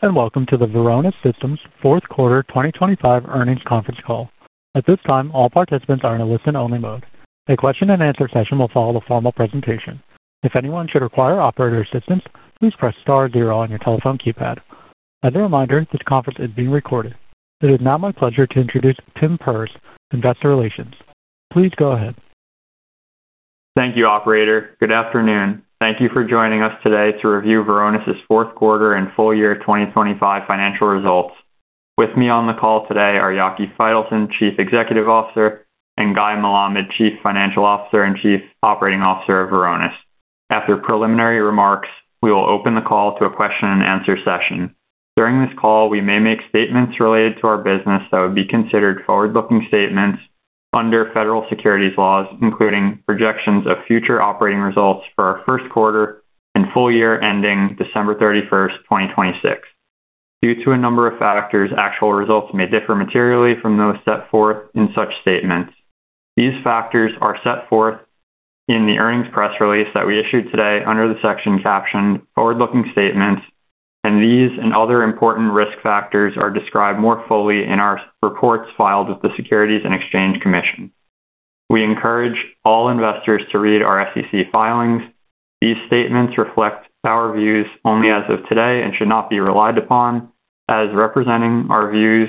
Welcome to the Varonis Systems fourth quarter 2025 earnings conference call. At this time, all participants are in a listen-only mode. A question-and-answer session will follow the formal presentation. If anyone should require operator assistance, please press star zero on your telephone keypad. As a reminder, this conference is being recorded. It is now my pleasure to introduce Tim Perz, Investor Relations. Please go ahead. Thank you, operator. Good afternoon. Thank you for joining us today to review Varonis' fourth quarter and full year 2025 financial results. With me on the call today are Yaki Faitelson, Chief Executive Officer, and Guy Melamed, Chief Financial Officer and Chief Operating Officer of Varonis. After preliminary remarks, we will open the call to a question-and-answer session. During this call, we may make statements related to our business that would be considered forward-looking statements under federal securities laws, including projections of future operating results for our first quarter and full year ending December 31, 2026. Due to a number of factors, actual results may differ materially from those set forth in such statements. These factors are set forth in the earnings press release that we issued today under the section captioned Forward-Looking Statements, and these and other important risk factors are described more fully in our reports filed with the Securities and Exchange Commission. We encourage all investors to read our SEC filings. These statements reflect our views only as of today and should not be relied upon as representing our views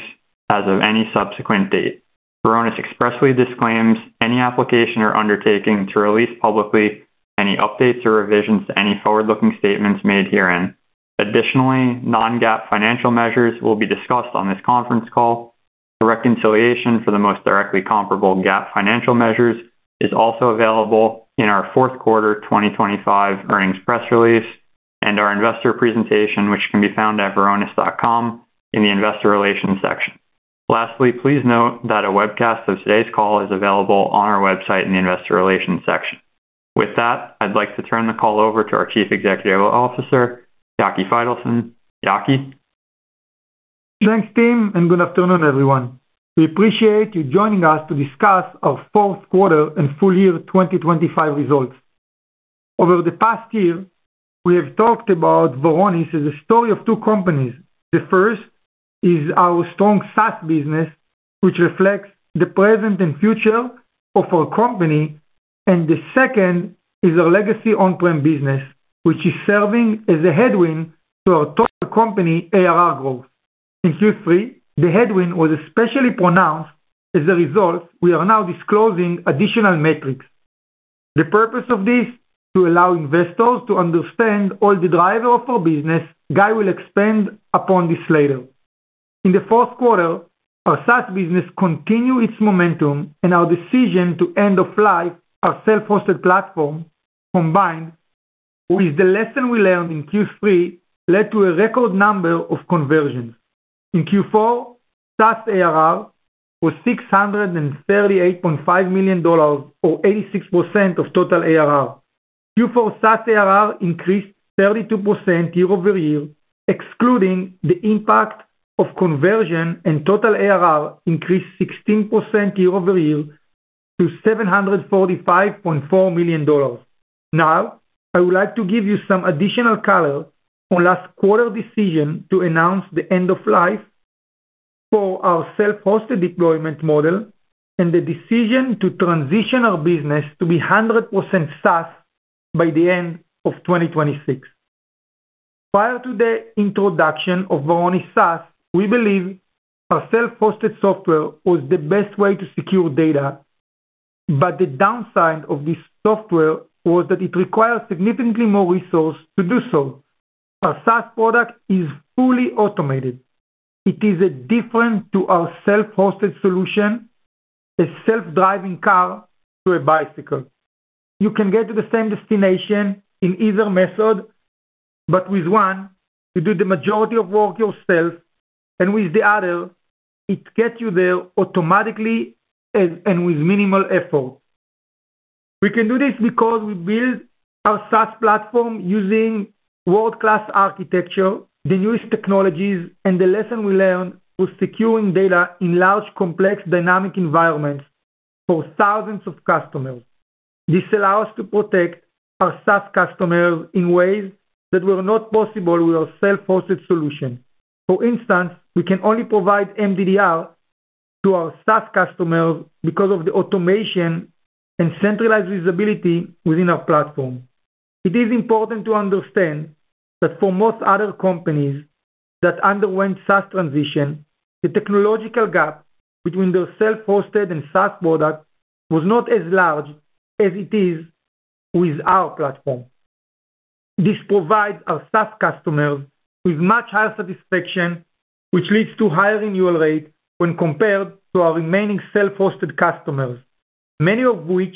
as of any subsequent date. Varonis expressly disclaims any application or undertaking to release publicly any updates or revisions to any forward-looking statements made herein. Additionally, non-GAAP financial measures will be discussed on this conference call. The reconciliation for the most directly comparable GAAP financial measures is also available in our fourth quarter 2025 earnings press release and our investor presentation, which can be found at Varonis.com in the Investor Relations section. Lastly, please note that a webcast of today's call is available on our website in the Investor Relations section. With that, I'd like to turn the call over to our Chief Executive Officer, Yaki Faitelson. Yaki? Thanks, Tim, and good afternoon, everyone. We appreciate you joining us to discuss our fourth quarter and full year 2025 results. Over the past year, we have talked about Varonis as a story of two companies. The first is our strong SaaS business, which reflects the present and future of our company, and the second is our legacy on-prem business, which is serving as a headwind to our total company ARR growth. In Q3, the headwind was especially pronounced. As a result, we are now disclosing additional metrics. The purpose of this, to allow investors to understand all the drivers of our business. Guy will expand upon this later. In the fourth quarter, our SaaS business continued its momentum, and our decision to end-of-life, our self-hosted platform, combined with the lesson we learned in Q3, led to a record number of conversions. In Q4, SaaS ARR was $638.5 million or 86% of total ARR. Q4 SaaS ARR increased 32% year-over-year, excluding the impact of conversion, and total ARR increased 16% year-over-year to $745.4 million. Now, I would like to give you some additional color on last quarter's decision to announce the end of life for our self-hosted deployment model and the decision to transition our business to be 100% SaaS by the end of 2026. Prior to the introduction of Varonis SaaS, we believe our self-hosted software was the best way to secure data, but the downside of this software was that it required significantly more resource to do so. Our SaaS product is fully automated. It is a different to our self-hosted solution, a self-driving car to a bicycle. You can get to the same destination in either method, but with one, you do the majority of work yourself, and with the other, it gets you there automatically and with minimal effort. We can do this because we build our SaaS platform using world-class architecture, the newest technologies, and the lesson we learned was securing data in large, complex, dynamic environments for thousands of customers. This allows us to protect our SaaS customers in ways that were not possible with our self-hosted solution. For instance, we can only provide MDR to our SaaS customers because of the automation and centralized visibility within our platform. It is important to understand that for most other companies that underwent SaaS transition, the technological gap between their self-hosted and SaaS product was not as large as it is with our platform. This provides our SaaS customers with much higher satisfaction, which leads to higher renewal rate when compared to our remaining self-hosted customers, many of which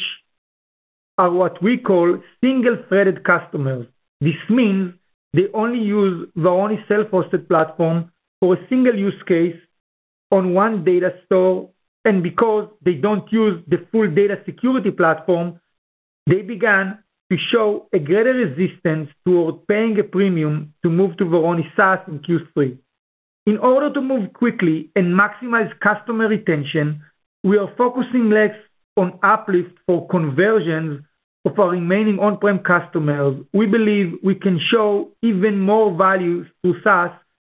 are what we call single-threaded customers. This means they only use Varonis self-hosted platform for a single use case on one data store, and because they don't use the full data security platform, they began to show a greater resistance towards paying a premium to move to Varonis SaaS in Q3. In order to move quickly and maximize customer retention, we are focusing less on uplift for conversions of our remaining on-prem customers. We believe we can show even more value through SaaS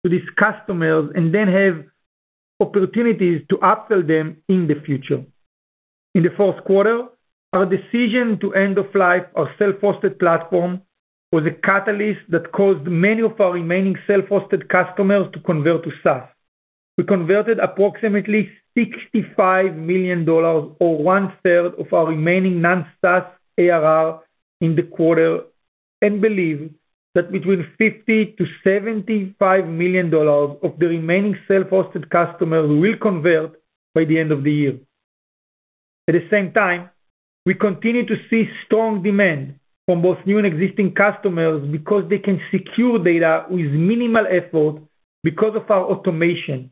to these customers and then have opportunities to upsell them in the future. In the fourth quarter, our decision to end of life our self-hosted platform was a catalyst that caused many of our remaining self-hosted customers to convert to SaaS. We converted approximately $65 million, or 1/3 of our remaining non-SaaS ARR in the quarter, and believe that between $50 million-$75 million of the remaining self-hosted customers will convert by the end of the year. At the same time, we continue to see strong demand from both new and existing customers because they can secure data with minimal effort because of our automation.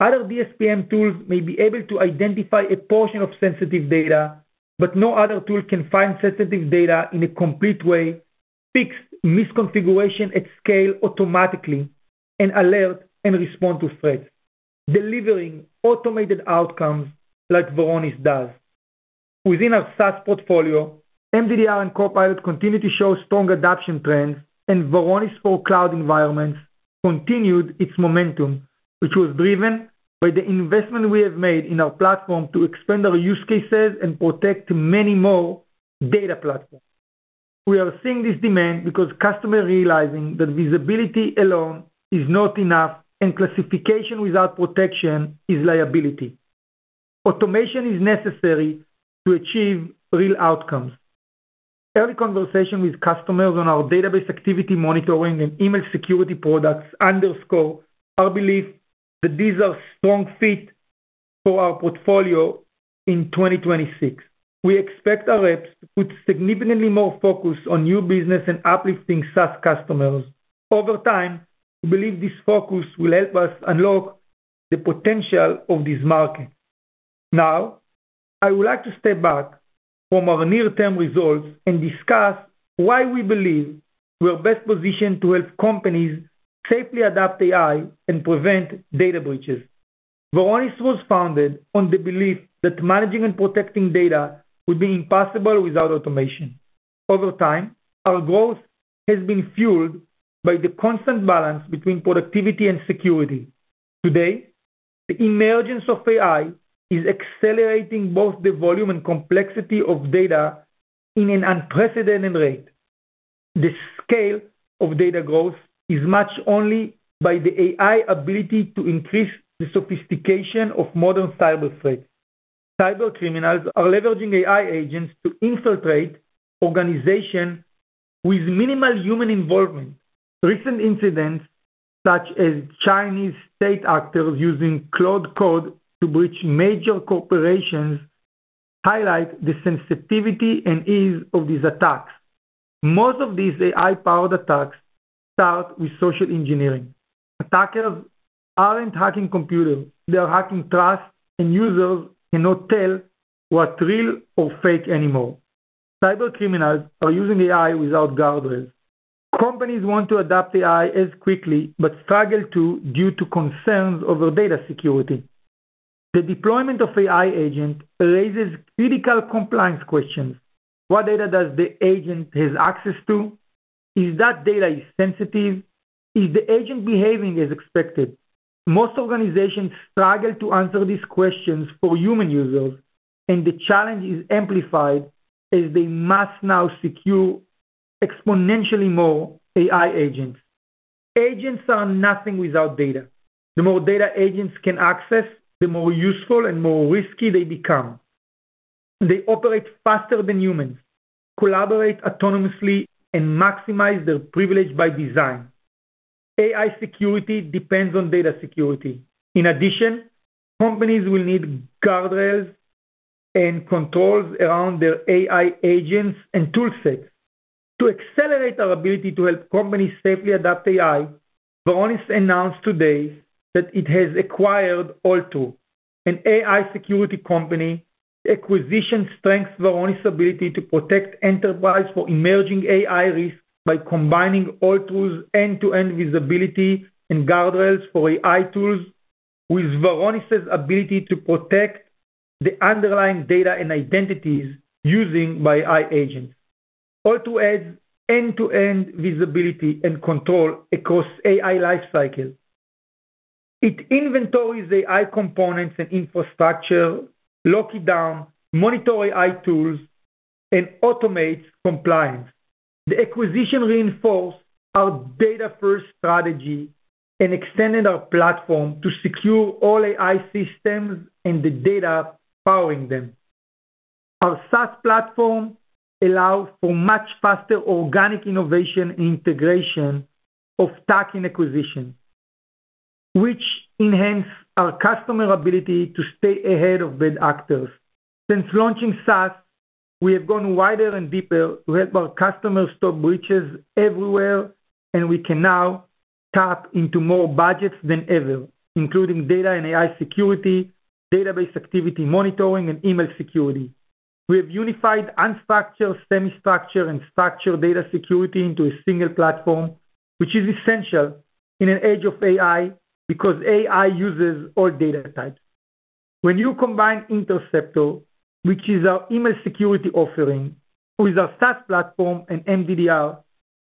Other DSPM tools may be able to identify a portion of sensitive data, but no other tool can find sensitive data in a complete way, fix misconfiguration at scale automatically, and alert and respond to threats, delivering automated outcomes like Varonis does. Within our SaaS portfolio, MDDR and Copilot continue to show strong adoption trends, and Varonis for cloud environments continued its momentum, which was driven by the investment we have made in our platform to expand our use cases and protect many more data platforms. We are seeing this demand because customers are realizing that visibility alone is not enough, and classification without protection is liability. Automation is necessary to achieve real outcomes. Every conversation with customers on our database activity monitoring and email security products underscore our belief that these are strong fit for our portfolio in 2026. We expect our reps to put significantly more focus on new business and uplifting SaaS customers. Over time, we believe this focus will help us unlock the potential of this market. Now, I would like to step back from our near-term results and discuss why we believe we are best positioned to help companies safely adapt AI and prevent data breaches. Varonis was founded on the belief that managing and protecting data would be impossible without automation. Over time, our growth has been fueled by the constant balance between productivity and security. Today, the emergence of AI is accelerating both the volume and complexity of data in an unprecedented rate. The scale of data growth is matched only by the AI ability to increase the sophistication of modern cyber threats. Cybercriminals are leveraging AI agents to infiltrate organizations with minimal human involvement. Recent incidents, such as Chinese state actors using Claude code to breach major corporations, highlight the sensitivity and ease of these attacks. Most of these AI-powered attacks start with social engineering. Attackers aren't hacking computers, they are hacking trust, and users cannot tell what's real or fake anymore. Cybercriminals are using AI without guardrails. Companies want to adopt AI as quickly, but struggle to, due to concerns over data security. The deployment of AI agent raises critical compliance questions. What data does the agent has access to? Is that data is sensitive? Is the agent behaving as expected? Most organizations struggle to answer these questions for human users, and the challenge is amplified as they must now secure exponentially more AI agents. Agents are nothing without data. The more data agents can access, the more useful and more risky they become. They operate faster than humans, collaborate autonomously, and maximize their privilege by design. AI security depends on data security. In addition, companies will need guardrails and controls around their AI agents and toolsets. To accelerate our ability to help companies safely adapt AI, Varonis announced today that it has acquired Altru, an AI security company. The acquisition strengthens Varonis' ability to protect enterprises from emerging AI risks by combining Altru's end-to-end visibility and guardrails for AI tools, with Varonis' ability to protect the underlying data and identities used by AI agents. Altru adds end-to-end visibility and control across AI lifecycle. It inventories AI components and infrastructure, locks it down, monitors AI tools, and automates compliance. The acquisition reinforces our data-first strategy and extends our platform to secure all AI systems and the data powering them. Our SaaS platform allows for much faster organic innovation and integration of stack and acquisitions, which enhances our customers' ability to stay ahead of bad actors. Since launching SaaS, we have gone wider and deeper to help our customers stop breaches everywhere, and we can now tap into more budgets than ever, including data and AI security, database activity monitoring, and email security. We have unified unstructured, semi-structured, and structured data security into a single platform, which is essential in an age of AI, because AI uses all data types. When you combine Interceptor, which is our email security offering, with our SaaS platform and MDR,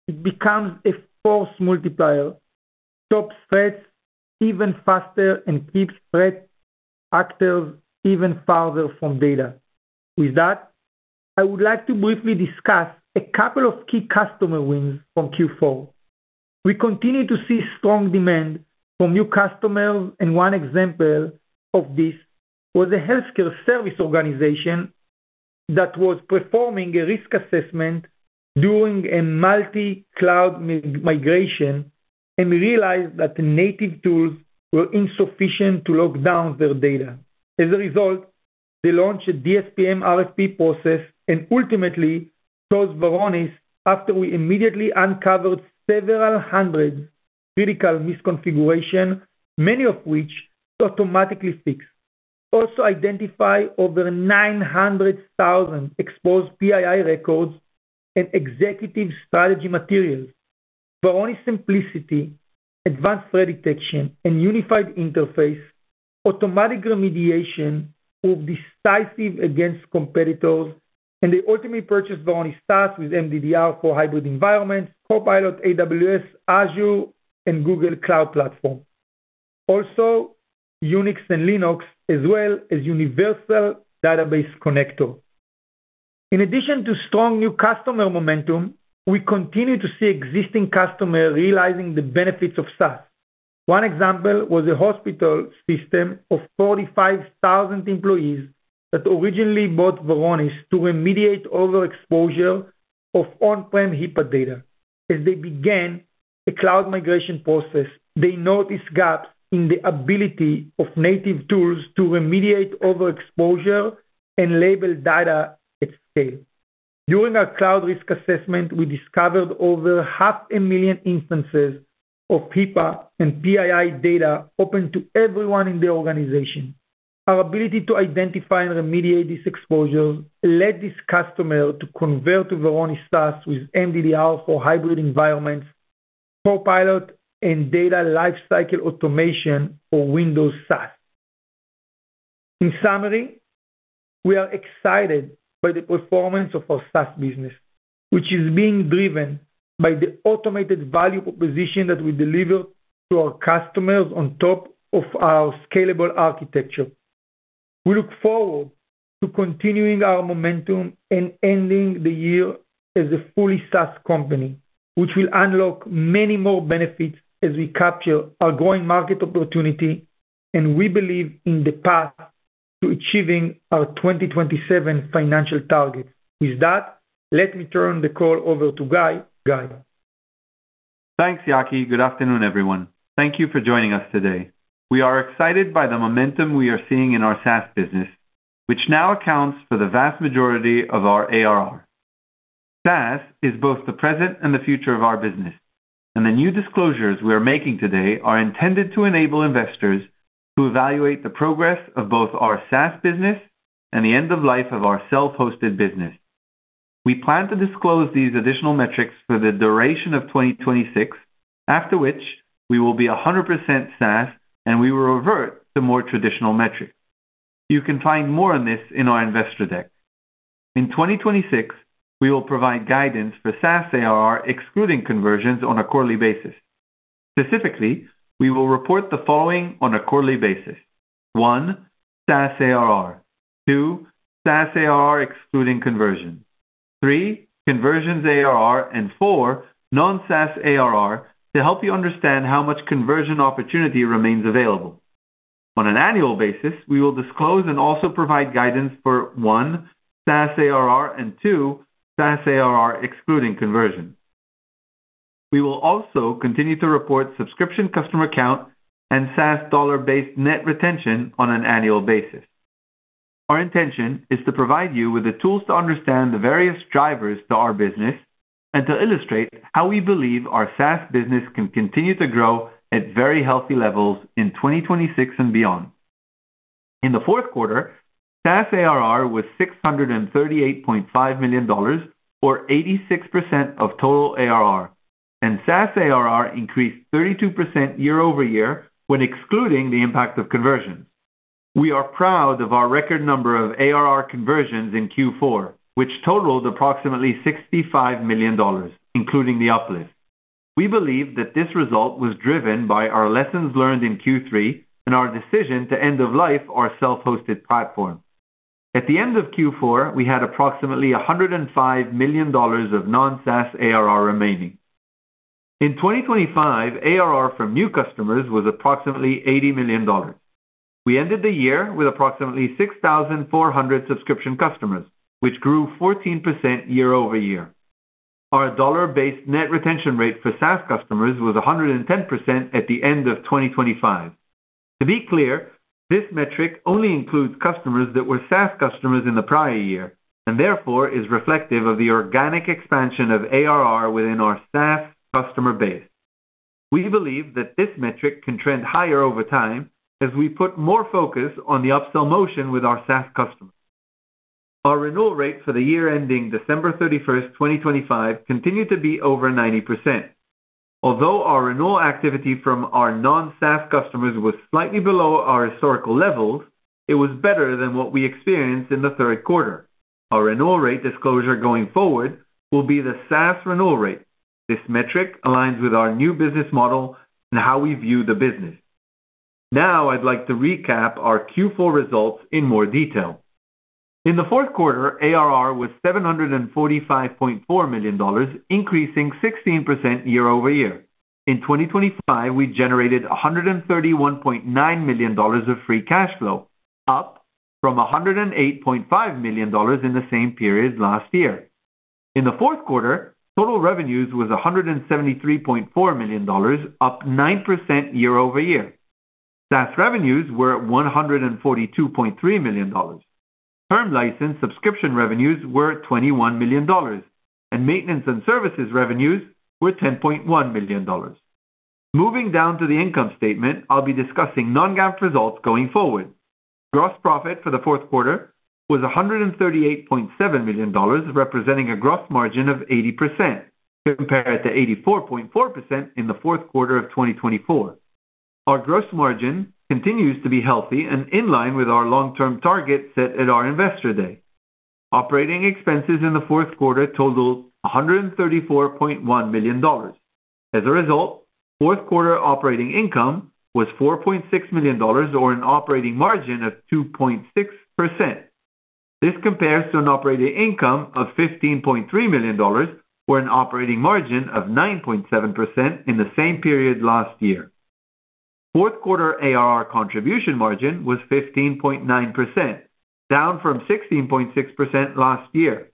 it becomes a force multiplier, stops threats even faster, and keeps threat actors even farther from data. With that, I would like to briefly discuss a couple of key customer wins from Q4. We continue to see strong demand from new customers, and one example of this was a healthcare service organization that was performing a risk assessment during a multi-cloud migration, and we realized that the native tools were insufficient to lock down their data. As a result, they launched a DSPM RFP process and ultimately chose Varonis after we immediately uncovered several hundred critical misconfigurations, many of which it automatically fixed. Also identified over 900,000 exposed PII records and executive strategy materials. Varonis simplicity, advanced threat detection, and unified interface, automatic remediation proved decisive against competitors, and they ultimately purchased Varonis SaaS with MDDR for hybrid environments, Copilot, AWS, Azure, and Google Cloud Platform. Also, Unix and Linux, as well as Universal Data Connector. In addition to strong new customer momentum, we continue to see existing customers realizing the benefits of SaaS. One example was a hospital system of 45,000 employees that originally bought Varonis to remediate overexposure of on-prem HIPAA data. As they began a cloud migration process, they noticed gaps in the ability of native tools to remediate overexposure and label data at scale. During our cloud risk assessment, we discovered over 500,000 instances of HIPAA and PII data open to everyone in the organization. Our ability to identify and remediate this exposure led this customer to convert to Varonis SaaS with MDDR for hybrid environments, Copilot, and data lifecycle automation for Windows, SaaS. In summary, we are excited by the performance of our SaaS business, which is being driven by the automated value proposition that we deliver to our customers on top of our scalable architecture. We look forward to continuing our momentum and ending the year as a fully SaaS company, which will unlock many more benefits as we capture our growing market opportunity, and we believe in the path to achieving our 2027 financial targets. With that, let me turn the call over to Guy. Guy? Thanks, Yaki. Good afternoon, everyone. Thank you for joining us today. We are excited by the momentum we are seeing in our SaaS business, which now accounts for the vast majority of our ARR. SaaS is both the present and the future of our business, and the new disclosures we are making today are intended to enable investors to evaluate the progress of both our SaaS business and the end of life of our self-hosted business. We plan to disclose these additional metrics for the duration of 2026, after which we will be 100% SaaS and we will revert to more traditional metrics. You can find more on this in our investor deck. In 2026, we will provide guidance for SaaS ARR, excluding conversions on a quarterly basis. Specifically, we will report the following on a quarterly basis: 1, SaaS ARR. 2, SaaS ARR, excluding conversions. 3, conversions ARR, and 4, non-SaaS ARR to help you understand how much conversion opportunity remains available. On an annual basis, we will disclose and also provide guidance for, 1, SaaS ARR, and 2, SaaS ARR, excluding conversions. We will also continue to report subscription customer count and SaaS dollar-based net retention on an annual basis. Our intention is to provide you with the tools to understand the various drivers to our business and to illustrate how we believe our SaaS business can continue to grow at very healthy levels in 2026 and beyond. In the fourth quarter, SaaS ARR was $638.5 million, or 86% of total ARR, and SaaS ARR increased 32% year-over-year when excluding the impact of conversions. We are proud of our record number of ARR conversions in Q4, which totaled approximately $65 million, including the uplift. We believe that this result was driven by our lessons learned in Q3 and our decision to end of life our self-hosted platform. At the end of Q4, we had approximately $105 million of non-SaaS ARR remaining. In 2025, ARR from new customers was approximately $80 million. We ended the year with approximately 6,400 subscription customers, which grew 14% year-over-year. Our dollar-based net retention rate for SaaS customers was 110% at the end of 2025. To be clear, this metric only includes customers that were SaaS customers in the prior year and therefore is reflective of the organic expansion of ARR within our SaaS customer base.... We believe that this metric can trend higher over time as we put more focus on the upsell motion with our SaaS customers. Our renewal rate for the year ending December 31, 2025, continued to be over 90%. Although our renewal activity from our non-SaaS customers was slightly below our historical levels, it was better than what we experienced in the third quarter. Our renewal rate disclosure going forward will be the SaaS renewal rate. This metric aligns with our new business model and how we view the business. Now, I'd like to recap our Q4 results in more detail. In the fourth quarter, ARR was $745.4 million, increasing 16% year-over-year. In 2025, we generated $131.9 million of free cash flow, up from $108.5 million in the same period last year. In the fourth quarter, total revenues was $173.4 million, up 9% year-over-year. SaaS revenues were $142.3 million. Term license subscription revenues were $21 million, and maintenance and services revenues were $10.1 million. Moving down to the income statement, I'll be discussing non-GAAP results going forward. Gross profit for the fourth quarter was $138.7 million, representing a gross margin of 80%, compared to 84.4% in the fourth quarter of 2024. Our gross margin continues to be healthy and in line with our long-term target set at our Investor Day. Operating expenses in the fourth quarter totaled $134.1 million. As a result, fourth quarter operating income was $4.6 million, or an operating margin of 2.6%. This compares to an operating income of $15.3 million, or an operating margin of 9.7% in the same period last year. Fourth quarter ARR contribution margin was 15.9%, down from 16.6% last year.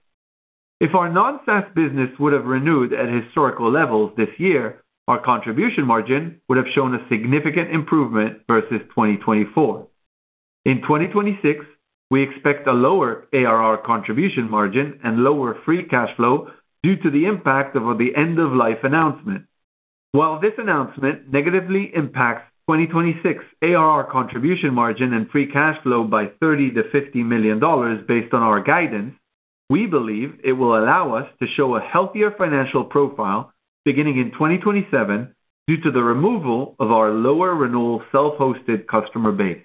If our non-SaaS business would have renewed at historical levels this year, our contribution margin would have shown a significant improvement versus 2024. In 2026, we expect a lower ARR contribution margin and lower free cash flow due to the impact of the end-of-life announcement. While this announcement negatively impacts 2026 ARR contribution margin and free cash flow by $30 million-$50 million based on our guidance, we believe it will allow us to show a healthier financial profile beginning in 2027 due to the removal of our lower renewal self-hosted customer base.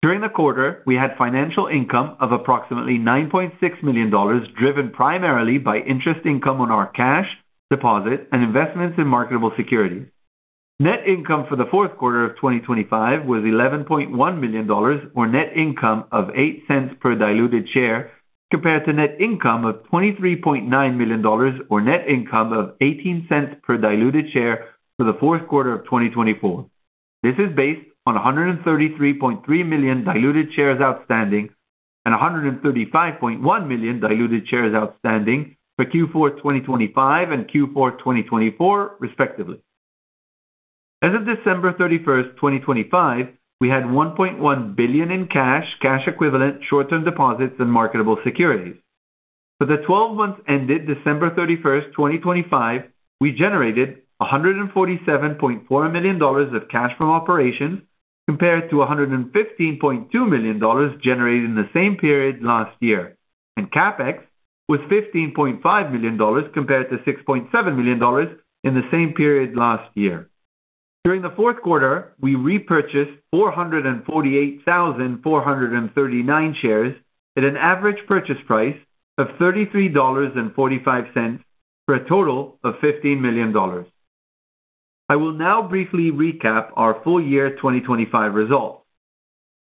During the quarter, we had financial income of approximately $9.6 million, driven primarily by interest income on our cash, deposit, and investments in marketable securities. Net income for the fourth quarter of 2025 was $11.1 million, or net income of $0.08 per diluted share, compared to net income of $23.9 million, or net income of $0.18 per diluted share for the fourth quarter of 2024. This is based on 133.3 million diluted shares outstanding and 135.1 million diluted shares outstanding for Q4 2025 and Q4 2024, respectively. As of December 31, 2025, we had $1.1 billion in cash, cash equivalents, short-term deposits, and marketable securities. For the twelve months ended December 31, 2025, we generated $147.4 million of cash from operations, compared to $115.2 million generated in the same period last year, and CapEx was $15.5 million, compared to $6.7 million in the same period last year. During the fourth quarter, we repurchased 448,439 shares at an average purchase price of $33.45, for a total of $15 million. I will now briefly recap our full year 2025 results.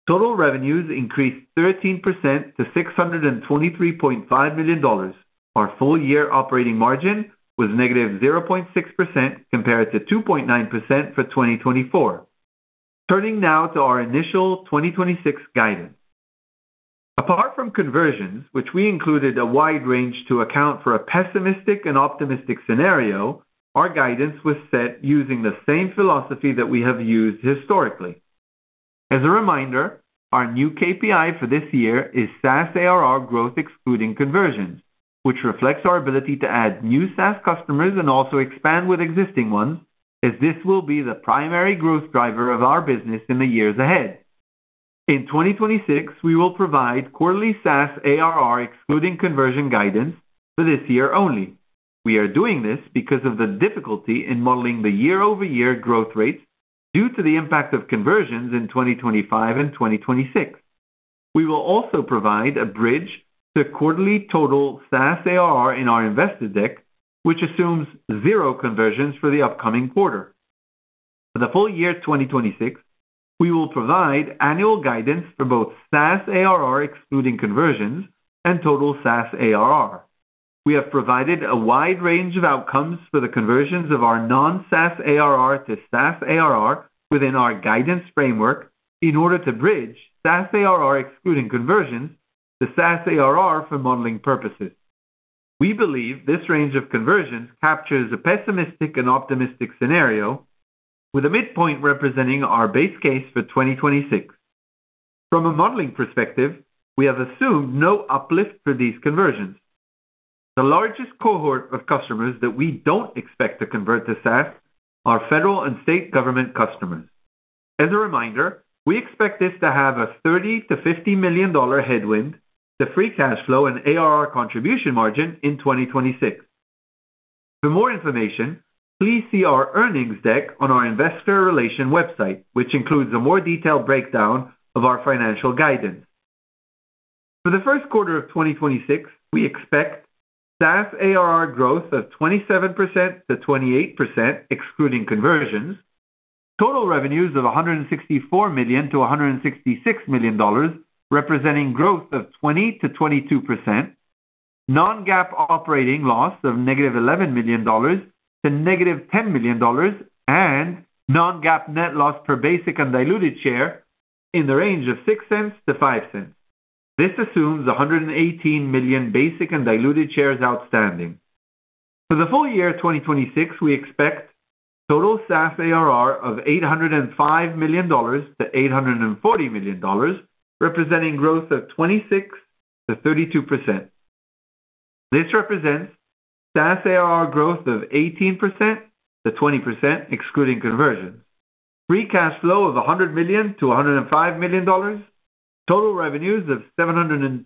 Total revenues increased 13% to $623.5 million. Our full-year operating margin was -0.6%, compared to 2.9% for 2024. Turning now to our initial 2026 guidance. Apart from conversions, which we included a wide range to account for a pessimistic and optimistic scenario, our guidance was set using the same philosophy that we have used historically. As a reminder, our new KPI for this year is SaaS ARR growth, excluding conversions, which reflects our ability to add new SaaS customers and also expand with existing ones, as this will be the primary growth driver of our business in the years ahead. In 2026, we will provide quarterly SaaS ARR, excluding conversion guidance for this year only. We are doing this because of the difficulty in modeling the year-over-year growth rates due to the impact of conversions in 2025 and 2026. We will also provide a bridge to quarterly total SaaS ARR in our investor deck, which assumes zero conversions for the upcoming quarter. For the full year 2026, we will provide annual guidance for both SaaS ARR, excluding conversions and total SaaS ARR. We have provided a wide range of outcomes for the conversions of our non-SaaS ARR to SaaS ARR within our guidance framework in order to bridge SaaS ARR, excluding conversions to SaaS ARR for modeling purposes. We believe this range of conversions captures a pessimistic and optimistic scenario with a midpoint representing our base case for 2026.... From a modeling perspective, we have assumed no uplift for these conversions. The largest cohort of customers that we don't expect to convert to SaaS are federal and state government customers. As a reminder, we expect this to have a $30-$50 million headwind, the free cash flow and ARR contribution margin in 2026. For more information, please see our earnings deck on our investor relations website, which includes a more detailed breakdown of our financial guidance. For the first quarter of 2026, we expect SaaS ARR growth of 27%-28%, excluding conversions, total revenues of $164 million-$166 million, representing growth of 20%-22%, non-GAAP operating loss of -$11 million to -$10 million, and non-GAAP net loss per basic and diluted share in the range of -$0.06 to -$0.05. This assumes 118 million basic and diluted shares outstanding. For the full year of 2026, we expect total SaaS ARR of $805 million-$840 million, representing growth of 26%-32%. This represents SaaS ARR growth of 18%-20%, excluding conversions. Free cash flow of $100 million-$105 million. Total revenues of $722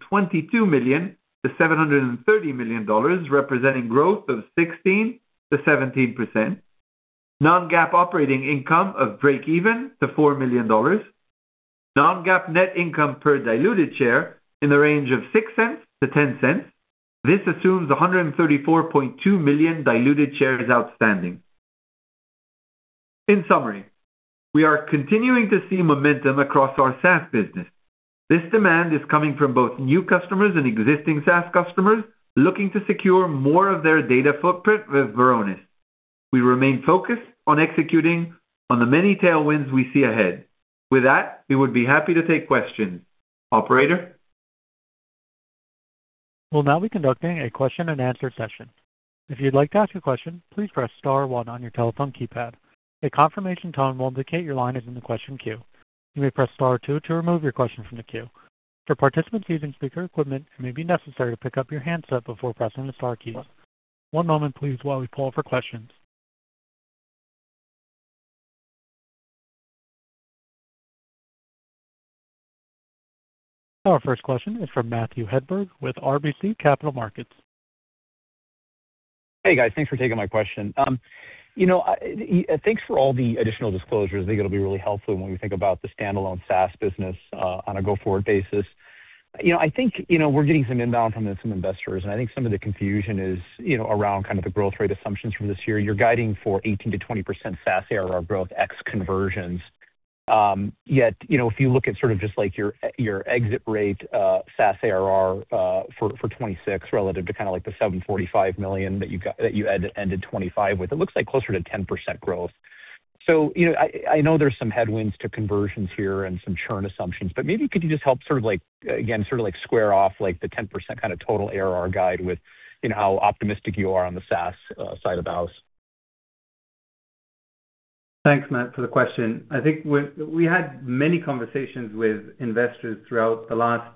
million-$730 million, representing growth of 16%-17%. Non-GAAP operating income of break-even to $4 million. Non-GAAP net income per diluted share in the range of $0.06-$0.10. This assumes 134.2 million diluted shares outstanding. In summary, we are continuing to see momentum across our SaaS business. This demand is coming from both new customers and existing SaaS customers looking to secure more of their data footprint with Varonis. We remain focused on executing on the many tailwinds we see ahead. With that, we would be happy to take questions. Operator? We'll now be conducting a question and answer session. If you'd like to ask a question, please press star one on your telephone keypad. A confirmation tone will indicate your line is in the question queue. You may press star two to remove your question from the queue. For participants using speaker equipment, it may be necessary to pick up your handset before pressing the star keys. One moment please, while we pull for questions. Our first question is from Matthew Hedberg with RBC Capital Markets. Hey, guys. Thanks for taking my question. You know, thanks for all the additional disclosures. I think it'll be really helpful when we think about the standalone SaaS business on a go-forward basis. You know, I think, you know, we're getting some inbound from some investors, and I think some of the confusion is, you know, around kind of the growth rate assumptions from this year. You're guiding for 18%-20% SaaS ARR growth ex conversions. Yet, you know, if you look at sort of just like your exit rate, SaaS ARR for 2026 relative to kind of like the $745 million that you ended 2025 with, it looks like closer to 10% growth. So, you know, I know there's some headwinds to conversions here and some churn assumptions, but maybe could you just help sort of like, again, sort of like square off, like the 10% kind of total ARR guide with, you know, how optimistic you are on the SaaS side of the house? Thanks, Matt, for the question. I think we had many conversations with investors throughout the last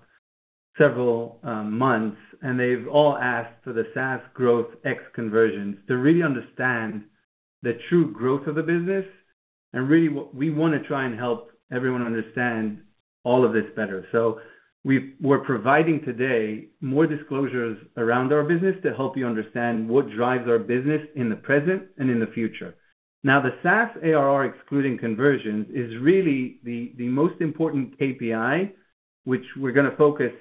several months, and they've all asked for the SaaS growth ex conversions to really understand the true growth of the business. Really, we wanna try and help everyone understand all of this better. We're providing today more disclosures around our business to help you understand what drives our business in the present and in the future. Now, the SaaS ARR, excluding conversions, is really the most important KPI, which we're gonna focus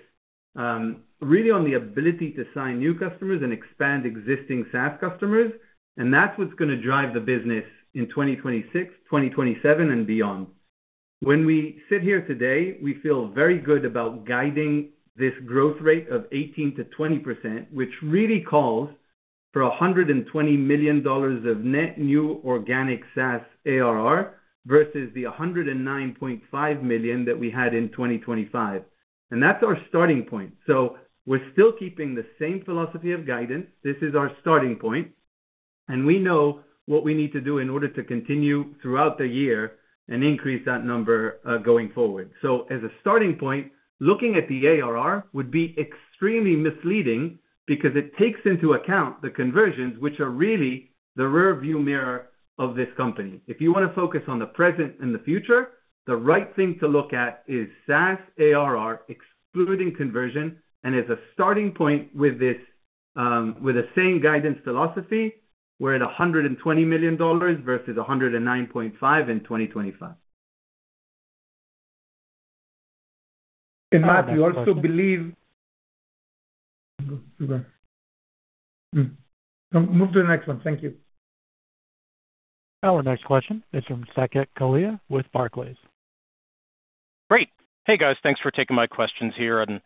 really on the ability to sign new customers and expand existing SaaS customers, and that's what's gonna drive the business in 2026, 2027 and beyond. When we sit here today, we feel very good about guiding this growth rate of 18%-20%, which really calls for $120 million of net new organic SaaS ARR, versus the $109.5 million that we had in 2025. That's our starting point. We're still keeping the same philosophy of guidance. This is our starting point, and we know what we need to do in order to continue throughout the year and increase that number, going forward. As a starting point, looking at the ARR would be extremely misleading because it takes into account the conversions, which are really the rearview mirror of this company. If you want to focus on the present and the future, the right thing to look at is SaaS ARR, excluding conversion, and as a starting point with this, with the same guidance philosophy, we're at $120 million versus $109.5 million in 2025. Matt, we also believe. Move to the next one. Thank you. Our next question is from Saket Kalia with Barclays. Great. Hey, guys. Thanks for taking my questions here. And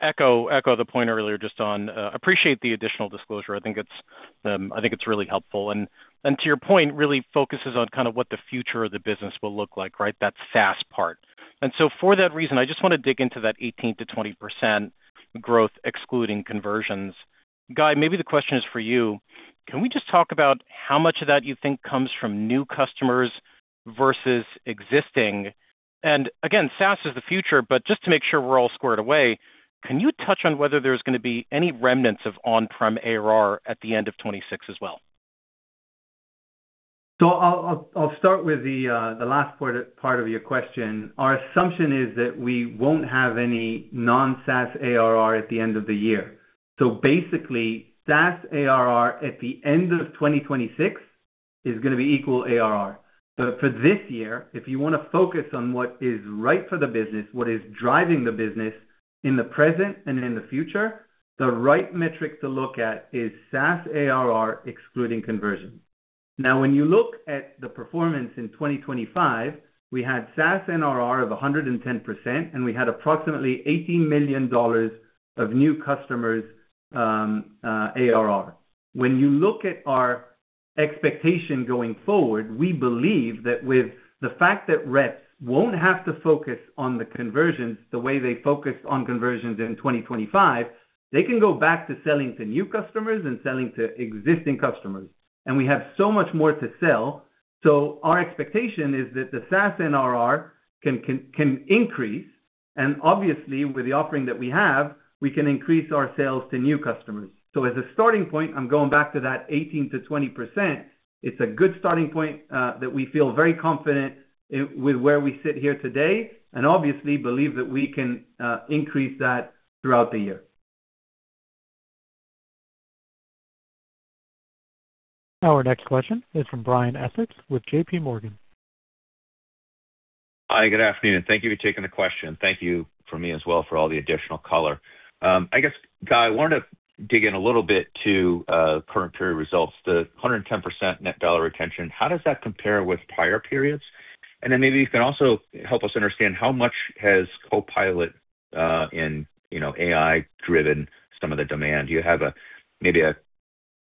echo the point earlier, just on, appreciate the additional disclosure. I think it's really helpful. And to your point, really focuses on kind of what the future of the business will look like, right? That SaaS part. And so for that reason, I just want to dig into that 18%-20% growth, excluding conversions.... Guy, maybe the question is for you. Can we just talk about how much of that you think comes from new customers versus existing? And again, SaaS is the future, but just to make sure we're all squared away, can you touch on whether there's going to be any remnants of on-prem ARR at the end of 2026 as well? So I'll start with the last part of your question. Our assumption is that we won't have any non-SaaS ARR at the end of the year. So basically, SaaS ARR at the end of 2026 is going to be equal ARR. But for this year, if you want to focus on what is right for the business, what is driving the business in the present and in the future, the right metric to look at is SaaS ARR, excluding conversion. Now, when you look at the performance in 2025, we had SaaS NRR of 110%, and we had approximately $80 million of new customers ARR. When you look at our expectation going forward, we believe that with the fact that reps won't have to focus on the conversions the way they focused on conversions in 2025, they can go back to selling to new customers and selling to existing customers. And we have so much more to sell, so our expectation is that the SaaS NRR can increase, and obviously, with the offering that we have, we can increase our sales to new customers. So as a starting point, I'm going back to that 18%-20%. It's a good starting point that we feel very confident in with where we sit here today and obviously believe that we can increase that throughout the year. Our next question is from Brian Essex with JP Morgan. Hi, good afternoon. Thank you for taking the question. Thank you for me as well for all the additional color. I guess, Guy, I wanted to dig in a little bit to current period results, the 110% net dollar retention. How does that compare with prior periods? And then maybe you can also help us understand how much has Copilot and, you know, AI driven some of the demand. Do you have a,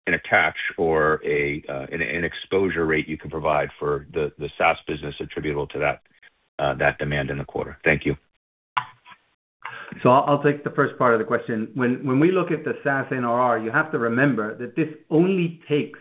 maybe an attach or an exposure rate you can provide for the SaaS business attributable to that demand in the quarter? Thank you. So I'll take the first part of the question. When we look at the SaaS NRR, you have to remember that this only takes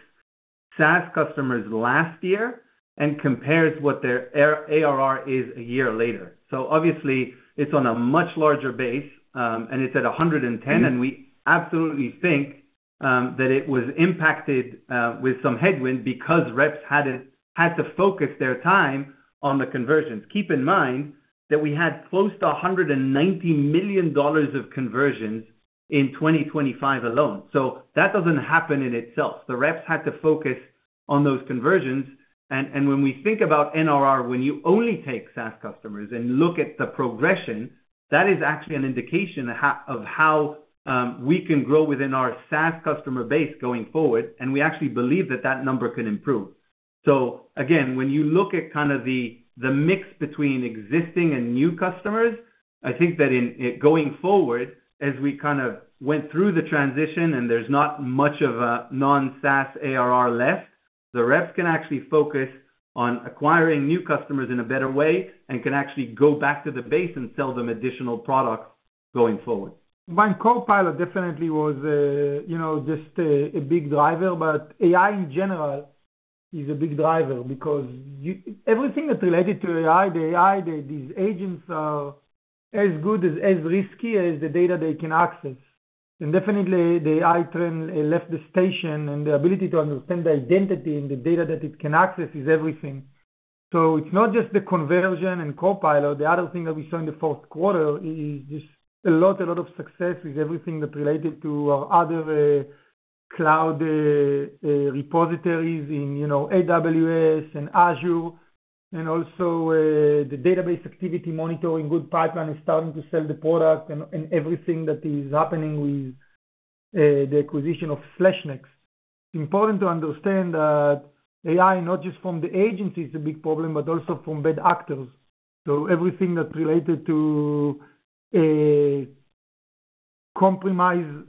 SaaS customers last year and compares what their ARR is a year later. So obviously it's on a much larger base, and it's at 110, and we absolutely think that it was impacted with some headwind because reps hadn't had to focus their time on the conversions. Keep in mind that we had close to $190 million of conversions in 2025 alone. So that doesn't happen in itself. The reps had to focus on those conversions, and when we think about NRR, when you only take SaaS customers and look at the progression, that is actually an indication of how we can grow within our SaaS customer base going forward, and we actually believe that that number can improve. So again, when you look at kind of the mix between existing and new customers, I think that in going forward, as we kind of went through the transition and there's not much of a non-SaaS ARR left, the reps can actually focus on acquiring new customers in a better way and can actually go back to the base and sell them additional products going forward. Varonis Copilot definitely was, you know, just a big driver, but AI in general is a big driver because everything that's related to AI, the AI, these agents are as good as risky as the data they can access. And definitely, the AI train left the station, and the ability to understand the identity and the data that it can access is everything. So it's not just the conversion in Copilot. The other thing that we saw in the fourth quarter is just a lot of success with everything that's related to our other cloud repositories in, you know, AWS and Azure, and also the database activity monitoring. Good pipeline is starting to sell the product and everything that is happening with the acquisition of SlashNext. Important to understand that AI, not just from the agent, is a big problem, but also from bad actors. So everything that's related to a compromise,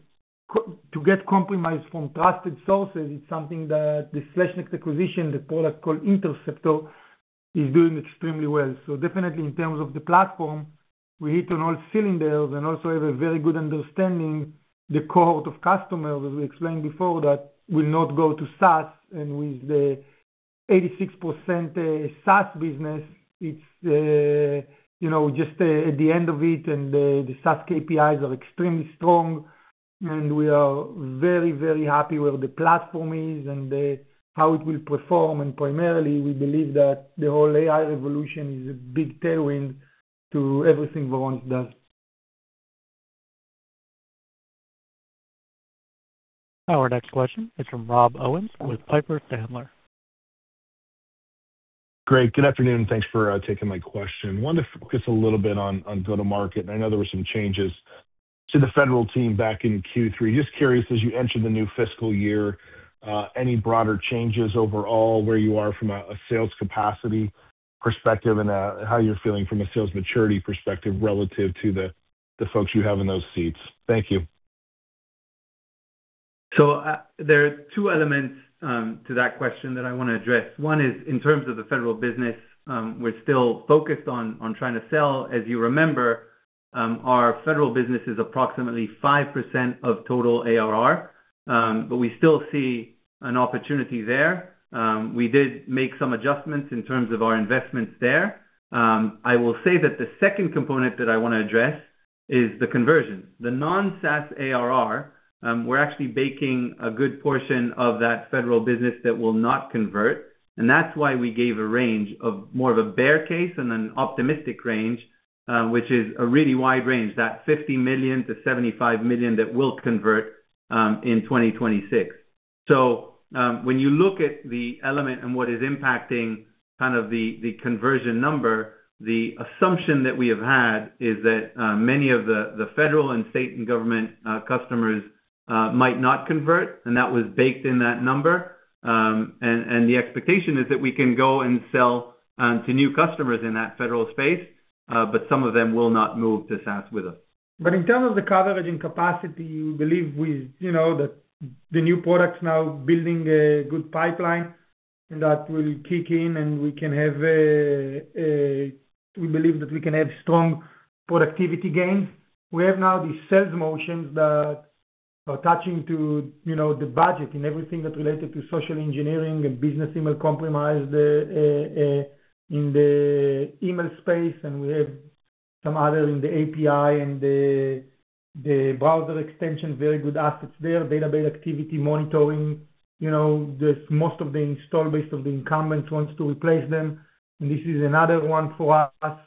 co- to get compromised from trusted sources, it's something that the SlashNext acquisition, the product called Interceptor, is doing extremely well. So definitely in terms of the platform, we hit on all cylinders and also have a very good understanding the cohort of customers, as we explained before, that will not go to SaaS. And with the 86%, you know, just, at the end of it, and the SaaS KPIs are extremely strong, and we are very, very happy where the platform is and, how it will perform. And primarily, we believe that the whole AI revolution is a big tailwind to everything Varonis does. Our next question is from Rob Owens with Piper Sandler. Great. Good afternoon, and thanks for taking my question. Wanted to focus a little bit on go-to-market. I know there were some changes to the Federal team back in Q3. Just curious, as you enter the new fiscal year, any broader changes overall, where you are from a sales capacity perspective and how you're feeling from a sales maturity perspective relative to the folks you have in those seats? Thank you.... So, there are two elements to that question that I want to address. One is in terms of the federal business, we're still focused on trying to sell. As you remember, our federal business is approximately 5% of total ARR, but we still see an opportunity there. I will say that the second component that I want to address is the conversion. The non-SaaS ARR, we're actually baking a good portion of that federal business that will not convert, and that's why we gave a range of more of a bear case and an optimistic range, which is a really wide range, that $50 million-$75 million that will convert in 2026. So, when you look at the element and what is impacting kind of the conversion number, the assumption that we have had is that many of the federal and state and government customers might not convert, and that was baked in that number. And the expectation is that we can go and sell to new customers in that federal space, but some of them will not move to SaaS with us. But in terms of the coverage and capacity, we believe we—you know—that the new products now building a good pipeline that will kick in and we can have a, we believe that we can have strong productivity gains. We have now the sales motions that are attaching to, you know, the budget and everything that related to social engineering and business email compromise, in the email space, and we have some other in the API and the browser extension. Very good assets there. Database activity monitoring. You know, just most of the install base of the incumbents wants to replace them, and this is another one for us.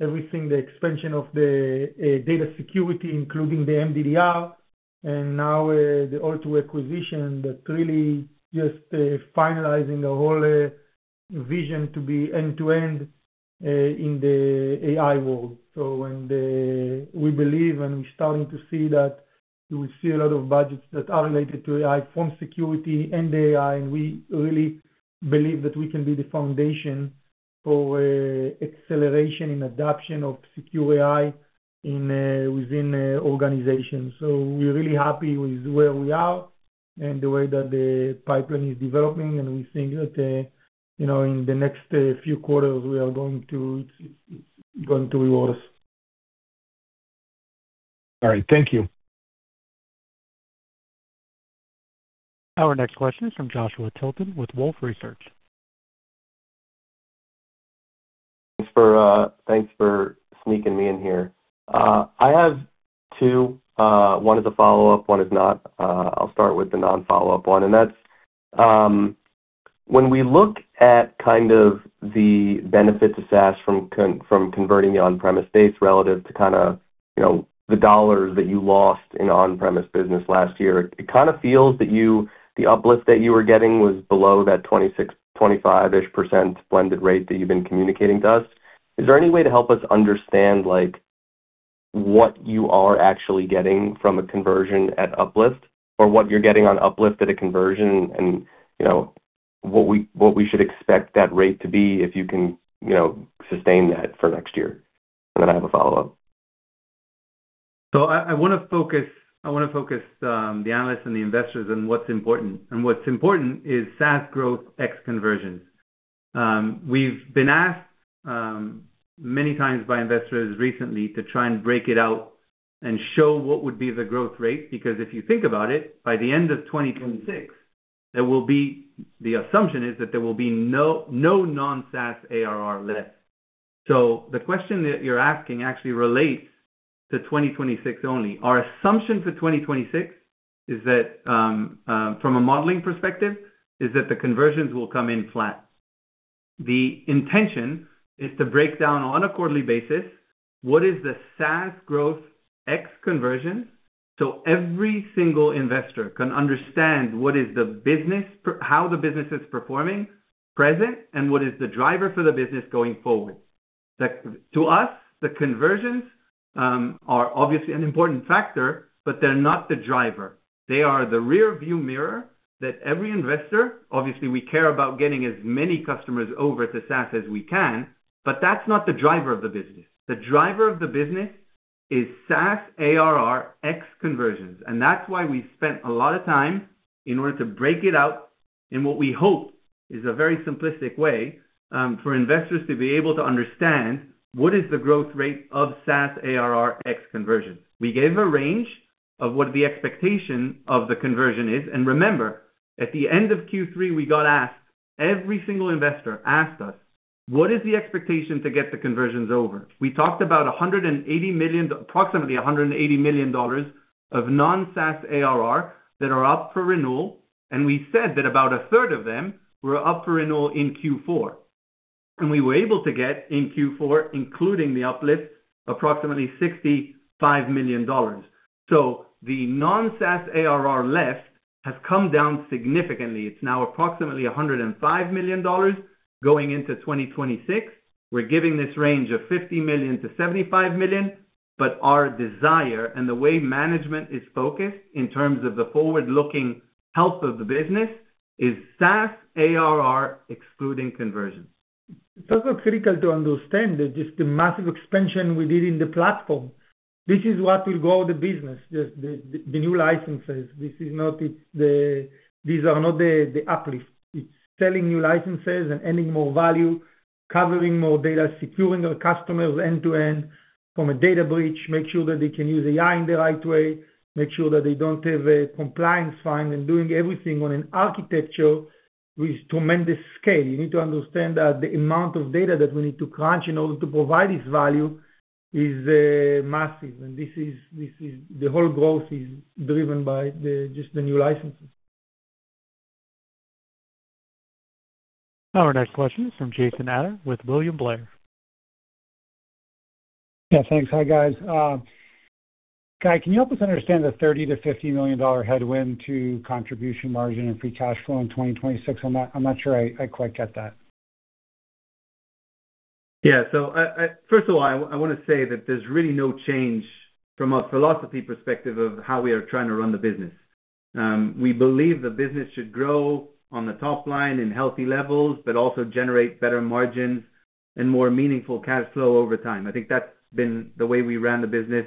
Everything, the expansion of the data security, including the MDDR, and now, the Altru acquisition that really just finalizing the whole vision to be end-to-end, in the AI world. So we believe and we're starting to see that, we see a lot of budgets that are related to AI from security and AI, and we really believe that we can be the foundation for acceleration and adoption of secure AI in within organizations. So we're really happy with where we are and the way that the pipeline is developing, and we think that, you know, in the next few quarters, we are going to going to reward us. All right. Thank you. Our next question is from Joshua Tilton with Wolfe Research. Thanks for, thanks for sneaking me in here. I have two. One is a follow-up, one is not. I'll start with the non-follow-up one, and that's, when we look at kind of the benefits of SaaS from converting the on-premise base relative to kind of, you know, the dollars that you lost in on-premise business last year, it kind of feels that you, the uplift that you were getting was below that 26, 25-ish% blended rate that you've been communicating to us. Is there any way to help us understand, like, what you are actually getting from a conversion at uplift, or what you're getting on uplift at a conversion and, you know, what we should expect that rate to be if you can, you know, sustain that for next year? And then I have a follow-up. So I wanna focus the analysts and the investors on what's important. And what's important is SaaS growth ex conversions. We've been asked many times by investors recently to try and break it out and show what would be the growth rate, because if you think about it, by the end of 2026, there will be the assumption is that there will be no non-SaaS ARR left. So the question that you're asking actually relates to 2026 only. Our assumption for 2026 is that from a modeling perspective, the conversions will come in flat. The intention is to break down on a quarterly basis what is the SaaS growth ex conversions, so every single investor can understand what is the business how the business is performing present, and what is the driver for the business going forward. That, to us, the conversions are obviously an important factor, but they're not the driver. They are the rear-view mirror that every investor, obviously, we care about getting as many customers over to SaaS as we can, but that's not the driver of the business. The driver of the business is SaaS ARR ex conversions, and that's why we spent a lot of time in order to break it out in what we hope is a very simplistic way, for investors to be able to understand what is the growth rate of SaaS ARR ex conversions. We gave a range of what the expectation of the conversion is, and remember, at the end of Q3, we got asked, every single investor asked us: What is the expectation to get the conversions over? We talked about $180 million, approximately $180 million of non-SaaS ARR that are up for renewal, and we said that about a third of them were up for renewal in Q4. We were able to get in Q4, including the uplift, approximately $65 million. So the non-SaaS ARR left has come down significantly. It's now approximately $105 million going into 2026. We're giving this range of $50 million-$75 million, but our desire and the way management is focused in terms of the forward-looking health of the business, is SaaS ARR excluding conversions.... It's also critical to understand that just the massive expansion we did in the platform, this is what will grow the business, just the new licenses. This is not it—these are not the uplift. It's selling new licenses and adding more value, covering more data, securing our customers end-to-end from a data breach, make sure that they can use AI in the right way, make sure that they don't have a compliance fine, and doing everything on an architecture with tremendous scale. You need to understand that the amount of data that we need to crunch in order to provide this value is massive, and this is the whole growth is driven by just the new licenses. Our next question is from Jason Ader with William Blair. Yeah, thanks. Hi, guys. Guy, can you help us understand the $30 million-$50 million headwind to contribution margin and free cash flow in 2026? I'm not sure I quite get that. Yeah, so first of all, I wanna say that there's really no change from a philosophy perspective of how we are trying to run the business. We believe the business should grow on the top line in healthy levels, but also generate better margins and more meaningful cash flow over time. I think that's been the way we ran the business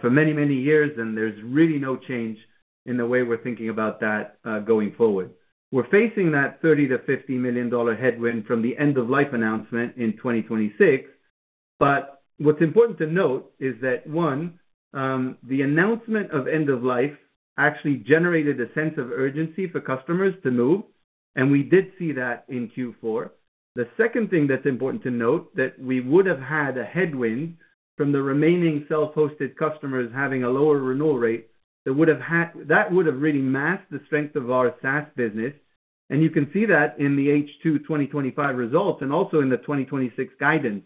for many, many years, and there's really no change in the way we're thinking about that going forward. We're facing that $30-$50 million headwind from the end-of-life announcement in 2026, but what's important to note is that, one, the announcement of end of life actually generated a sense of urgency for customers to move, and we did see that in Q4. The second thing that's important to note, that we would have had a headwind from the remaining self-hosted customers having a lower renewal rate that would have really masked the strength of our SaaS business, and you can see that in the H2 2025 results and also in the 2026 guidance.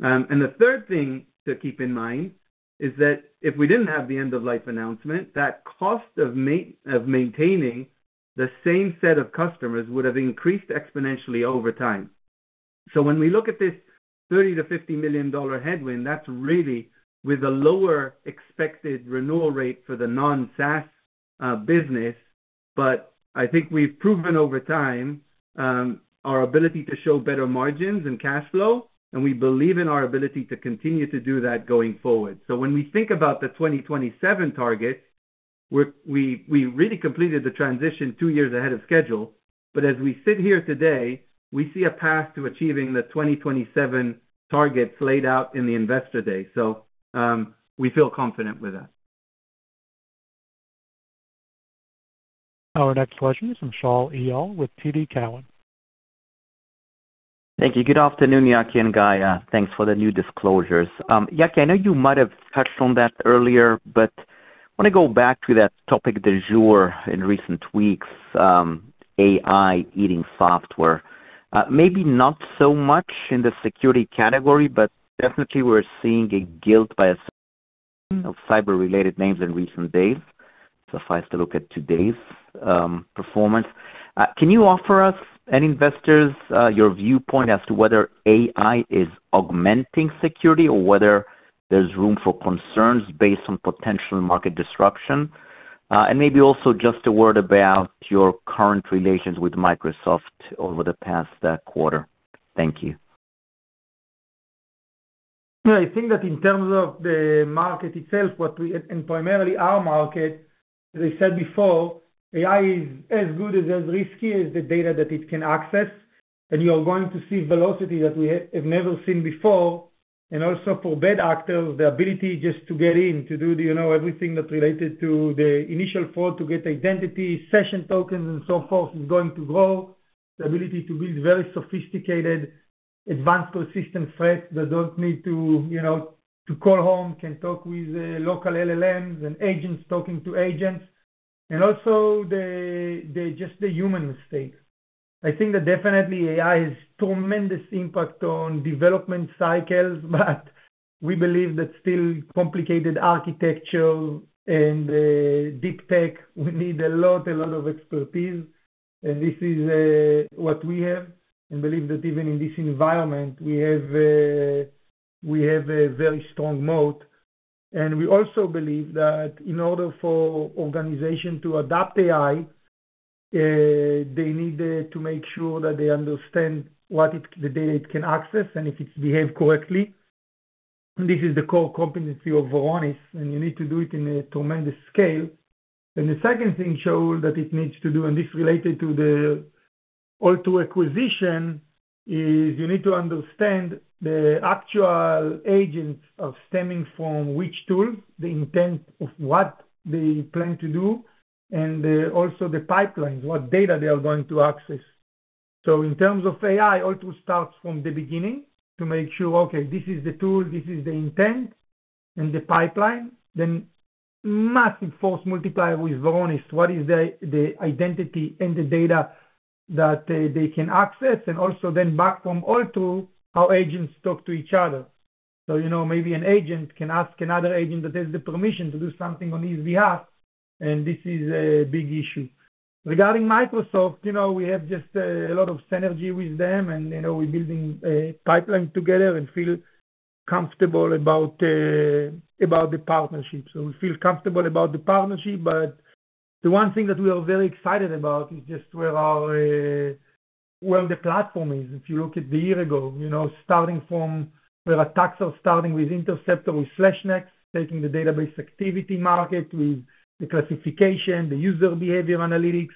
And the third thing to keep in mind is that if we didn't have the end-of-life announcement, that cost of maintaining the same set of customers would have increased exponentially over time. So when we look at this $30-$50 million headwind, that's really with a lower expected renewal rate for the non-SaaS business. But I think we've proven over time our ability to show better margins and cash flow, and we believe in our ability to continue to do that going forward. So when we think about the 2027 target, we're really completed the transition two years ahead of schedule, but as we sit here today, we see a path to achieving the 2027 targets laid out in the Investor Day. So, we feel confident with that. Our next question is from Shaul Eyal with TD Cowen. Thank you. Good afternoon, Yaki and Guy. Thanks for the new disclosures. Yaki, I know you might have touched on that earlier, but I wanna go back to that topic du jour in recent weeks, AI eating software. Maybe not so much in the security category, but definitely we're seeing a guilty by association of cyber-related names in recent days. Suffice to look at today's performance. Can you offer us and investors your viewpoint as to whether AI is augmenting security or whether there's room for concerns based on potential market disruption? And maybe also just a word about your customer relations with Microsoft over the past quarter. Thank you. Yeah, I think that in terms of the market itself, what we... And primarily our market, as I said before, AI is as good as, as risky as the data that it can access, and you are going to see velocity that we have never seen before. And also for bad actors, the ability just to get in, to do, you know, everything that's related to the initial port, to get identity, session tokens and so forth, is going to grow. The ability to build very sophisticated, advanced, persistent threats that don't need to, you know, to call home, can talk with local LLMs and agents, talking to agents, and also just the human mistakes. I think that definitely AI has tremendous impact on development cycles, but we believe that still complicated architecture and deep tech, we need a lot, a lot of expertise, and this is what we have. We believe that even in this environment, we have a very strong moat. We also believe that in order for organization to adopt AI, they need to make sure that they understand what it, the data it can access and if it's behaved correctly. This is the core competency of Varonis, and you need to do it in a tremendous scale. And the second thing, Shaul, that it needs to do, and this is related to the Altru acquisition, is you need to understand the actual agents are stemming from which tool, the intent of what they plan to do, and also the pipelines, what data they are going to access. So in terms of AI, Altru starts from the beginning to make sure, okay, this is the tool, this is the intent and the pipeline, then massive force multiplier with Varonis. What is the, the identity and the data that they can access? And also then back from Altru, how agents talk to each other. So, you know, maybe an agent can ask another agent that has the permission to do something on his behalf, and this is a big issue. Regarding Microsoft, you know, we have just a lot of synergy with them, and, you know, we're building a pipeline together and feel comfortable about the partnership. So we feel comfortable about the partnership, but the one thing that we are very excited about is just where our platform is. If you look at a year ago, you know, starting from where attacks are starting with Interceptor, with SlashNext, taking the database activity market, with the classification, the User Behavior Analytics.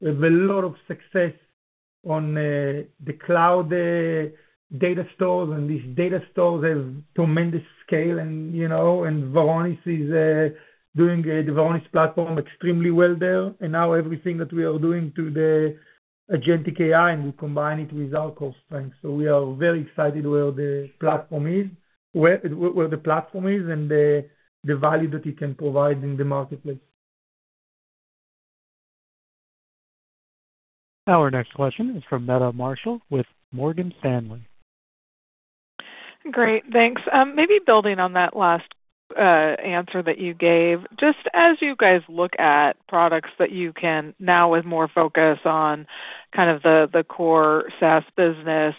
We have a lot of success on the cloud data stores, and these data stores have tremendous scale and, you know, and Varonis is doing the Varonis platform extremely well there. And now everything that we are doing to the agentic AI, and we combine it with our core strength. We are very excited where the platform is and the value that it can provide in the marketplace. Our next question is from Meta Marshall, with Morgan Stanley. Great, thanks. Maybe building on that last answer that you gave, just as you guys look at products that you can now with more focus on kind of the, the core SaaS business,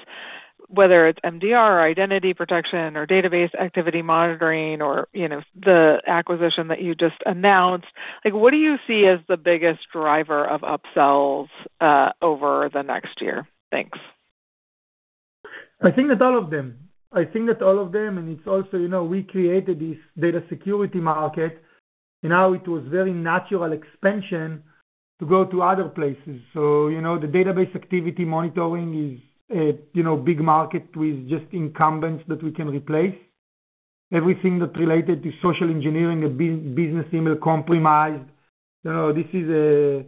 whether it's MDR or identity protection or database activity monitoring or, you know, the acquisition that you just announced, like, what do you see as the biggest driver of upsells over the next year? Thanks. I think that's all of them. I think that's all of them, and it's also, you know, we created this data security market, and now it was very natural expansion to go to other places. So, you know, the database activity monitoring is a, you know, big market with just incumbents that we can replace. Everything that related to social engineering and bus-business email compromise. So this is a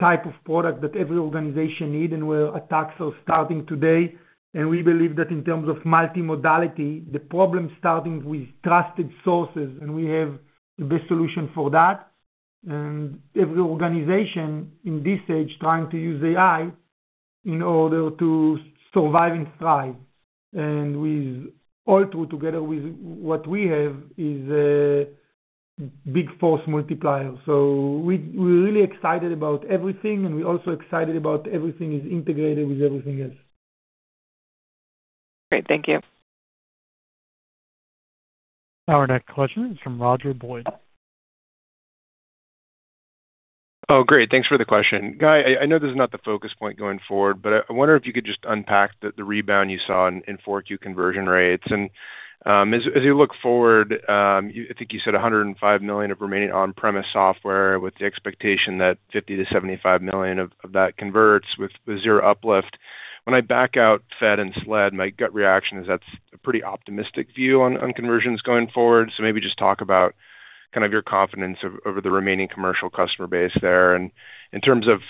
type of product that every organization need, and where attacks are starting today. And we believe that in terms of multimodality, the problem starting with trusted sources, and we have the best solution for that. And every organization in this stage, trying to use AI in order to survive and thrive. And with Altru together with what we have, is a big force multiplier. We're really excited about everything, and we're also excited about everything is integrated with everything else. Great, thank you. Our next question is from Roger Boyd. Oh, great. Thanks for the question. Guy, I, I know this is not the focus point going forward, but I wonder if you could just unpack the rebound you saw in Q4 conversion rates. And as you look forward, you—I think you said $105 million of remaining on-premise software, with the expectation that $50 million-$75 million of that converts with zero uplift. When I back out Fed and SLED, my gut reaction is that's a pretty optimistic view on conversions going forward. So maybe just talk about kind of your confidence of over the remaining commercial customer base there. And in terms of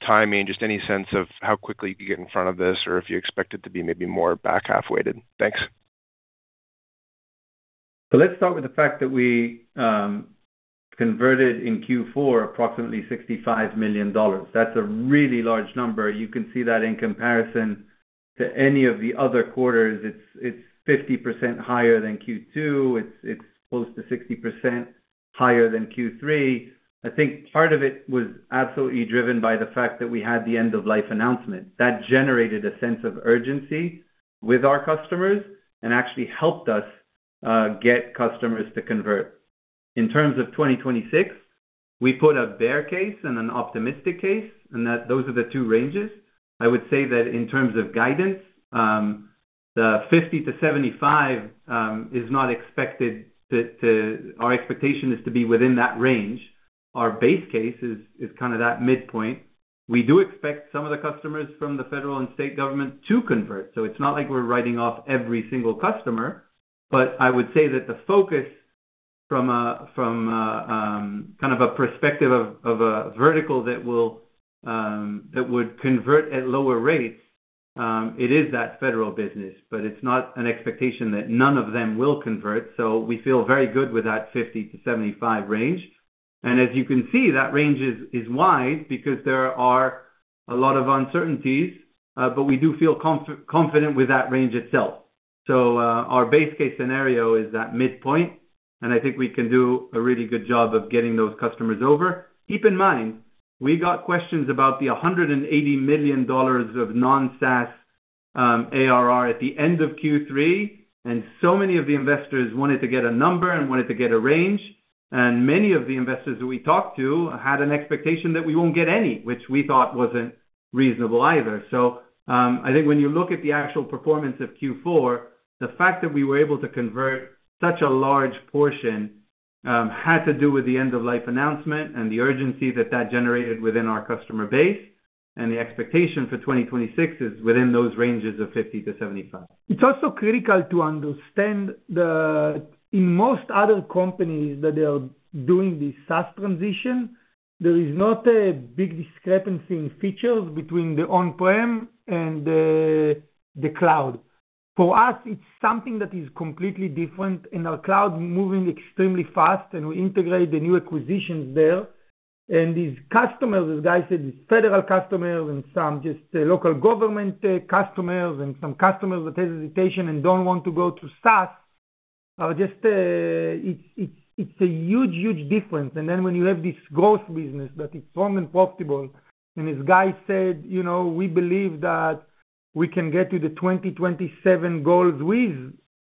timing, just any sense of how quickly you get in front of this, or if you expect it to be maybe more back half weighted. Thanks. So let's start with the fact that we converted in Q4 approximately $65 million. That's a really large number. You can see that in comparison to any of the other quarters, it's 50% higher than Q2. It's close to 60% higher than Q3. I think part of it was absolutely driven by the fact that we had the end-of-life announcement. That generated a sense of urgency with our customers and actually helped us get customers to convert. In terms of 2026, we put a bear case and an optimistic case, and those are the two ranges. I would say that in terms of guidance, the $50-$75 million is not expected to... Our expectation is to be within that range. Our base case is kind of that midpoint. We do expect some of the customers from the federal and state government to convert, so it's not like we're writing off every single customer. But I would say that the focus from a kind of perspective of a vertical that would convert at lower rates, it is that federal business, but it's not an expectation that none of them will convert. So we feel very good with that 50-75 range. And as you can see, that range is wide because there are a lot of uncertainties, but we do feel confident with that range itself. So, our base case scenario is that midpoint, and I think we can do a really good job of getting those customers over. Keep in mind, we got questions about the $180 million of non-SaaS ARR at the end of Q3, and so many of the investors wanted to get a number and wanted to get a range. And many of the investors that we talked to had an expectation that we won't get any, which we thought wasn't reasonable either. So, I think when you look at the actual performance of Q4, the fact that we were able to convert such a large portion had to do with the end-of-life announcement and the urgency that that generated within our customer base, and the expectation for 2026 is within those ranges of $50-$75 million. It's also critical to understand that in most other companies that they are doing this SaaS transition, there is not a big discrepancy in features between the on-prem and the cloud. For us, it's something that is completely different, and our cloud moving extremely fast, and we integrate the new acquisitions there. And these customers, as Guy said, these federal customers and some just local government customers and some customers with hesitation and don't want to go to SaaS, just, it's a huge, huge difference. And then when you have this growth business that is strong and profitable, and as Guy said, you know, we believe that- ... we can get to the 2027 goals with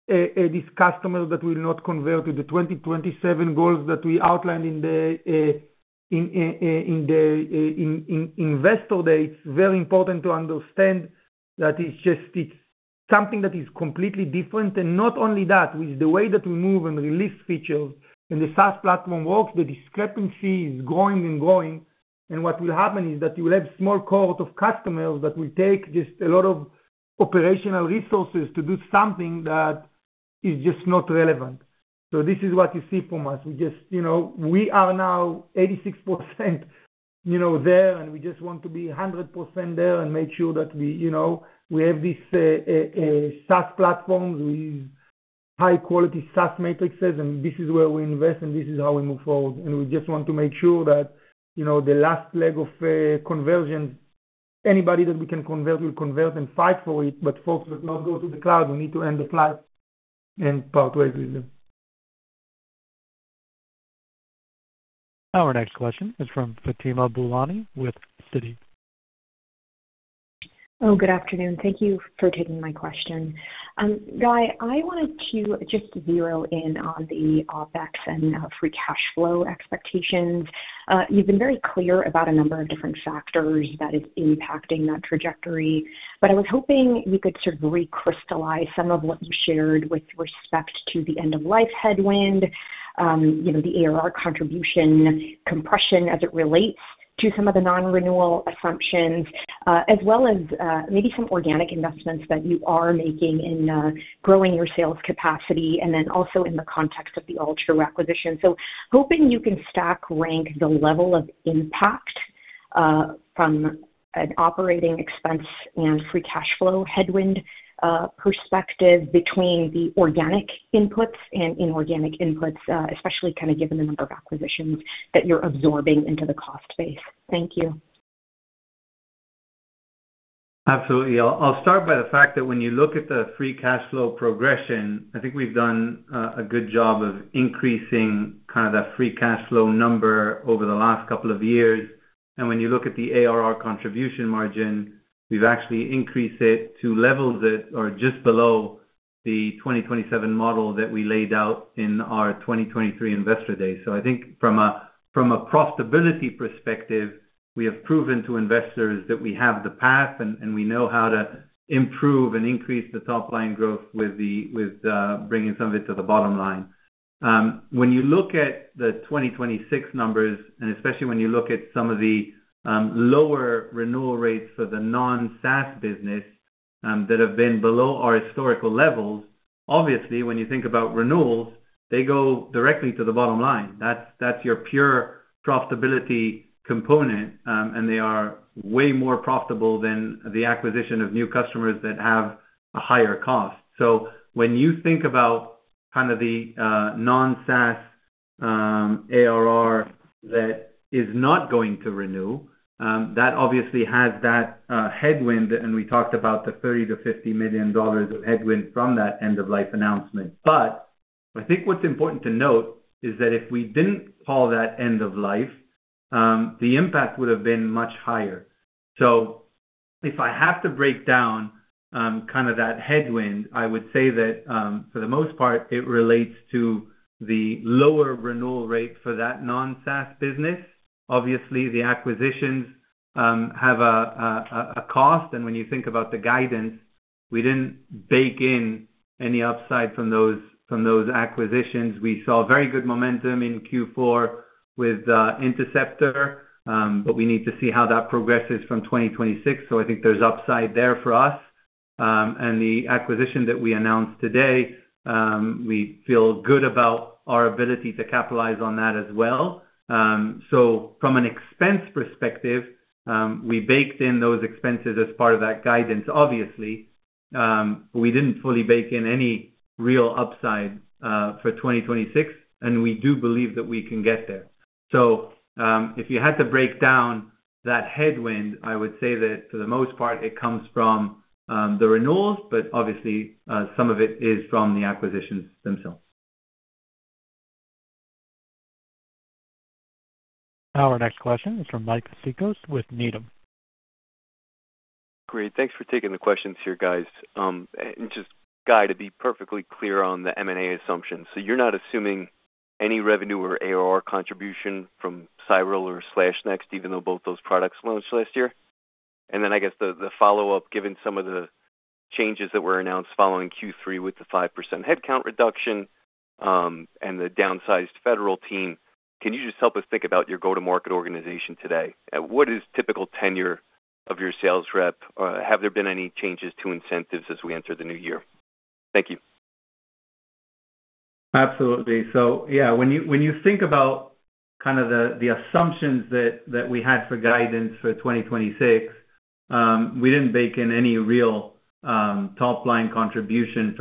this customer that will not convert to the 2027 goals that we outlined in Investor Day. It's very important to understand that it's just, it's something that is completely different. And not only that, with the way that we move and release features and the SaaS platform works, the discrepancy is growing and growing. And what will happen is that you will have small cohort of customers that will take just a lot of operational resources to do something that is just not relevant. So this is what you see from us. We just, you know, we are now 86%, you know, there, and we just want to be 100% there and make sure that we, you know, we have this SaaS platform with high-quality SaaS metrics, and this is where we invest, and this is how we move forward. We just want to make sure that, you know, the last leg of conversion, anybody that we can convert, will convert and fight for it, but folks that not go to the cloud, we need to end the fight and part ways with them. Our next question is from Fatima Boolani, with Citi. Oh, good afternoon. Thank you for taking my question. Guy, I wanted to just zero in on the OpEx and free cash flow expectations. You've been very clear about a number of different factors that is impacting that trajectory, but I was hoping you could sort of recrystallize some of what you shared with respect to the end-of-life headwind, you know, the ARR contribution compression as it relates to some of the non-renewal assumptions, as well as maybe some organic investments that you are making in growing your sales capacity, and then also in the context of the Altru acquisition. So hoping you can stack rank the level of impact from an operating expense and Free Cash Flow headwind perspective between the organic inputs and inorganic inputs, especially kind of given the number of acquisitions that you're absorbing into the cost base. Thank you. Absolutely. I'll start by the fact that when you look at the free cash flow progression, I think we've done a good job of increasing kind of that free cash flow number over the last couple of years. And when you look at the ARR contribution margin, we've actually increased it to levels that are just below the 2027 model that we laid out in our 2023 Investor Day. So I think from a profitability perspective, we have proven to investors that we have the path, and we know how to improve and increase the top line growth with bringing some of it to the bottom line. When you look at the 2026 numbers, and especially when you look at some of the lower renewal rates for the non-SaaS business that have been below our historical levels, obviously, when you think about renewals, they go directly to the bottom line. That's your pure profitability component, and they are way more profitable than the acquisition of new customers that have a higher cost. So when you think about kind of the non-SaaS ARR that is not going to renew, that obviously has that headwind, and we talked about the $30 million-$50 million of headwind from that end-of-life announcement. But I think what's important to note is that if we didn't call that end-of-life, the impact would have been much higher. So if I have to break down, kind of that headwind, I would say that, for the most part, it relates to the lower renewal rate for that non-SaaS business. Obviously, the acquisitions have a cost, and when you think about the guidance, we didn't bake in any upside from those acquisitions. We saw very good momentum in Q4 with Interceptor, but we need to see how that progresses from 2026. So I think there's upside there for us. And the acquisition that we announced today, we feel good about our ability to capitalize on that as well. So from an expense perspective, we baked in those expenses as part of that guidance, obviously. We didn't fully bake in any real upside for 2026, and we do believe that we can get there. If you had to break down that headwind, I would say that for the most part, it comes from the renewals, but obviously, some of it is from the acquisitions themselves. Our next question is from Mike Cikos with Needham. Great. Thanks for taking the questions here, guys. And just, Guy, to be perfectly clear on the M&A assumptions, so you're not assuming any revenue or ARR contribution from Cyolo or SlashNext, even though both those products launched last year? And then I guess the follow-up, given some of the changes that were announced following Q3 with the 5% headcount reduction, and the downsized federal team, can you just help us think about your go-to-market organization today? What is typical tenure of your sales rep, or have there been any changes to incentives as we enter the new year? Thank you. Absolutely. So yeah, when you think about the assumptions that we had for guidance for 2026, we didn't bake in any real top-line contribution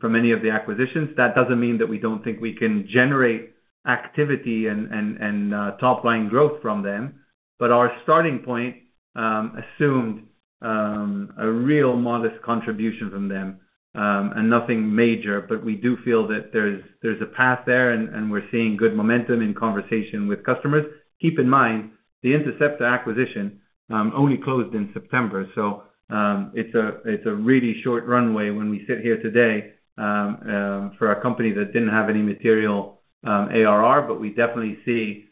from any of the acquisitions. That doesn't mean that we don't think we can generate activity and top-line growth from them, but our starting point assumed a real modest contribution from them, and nothing major. But we do feel that there's a path there, and we're seeing good momentum in conversation with customers. Keep in mind, the Interceptor acquisition only closed in September, so it's a really short runway when we sit here today for a company that didn't have any material ARR, but we definitely see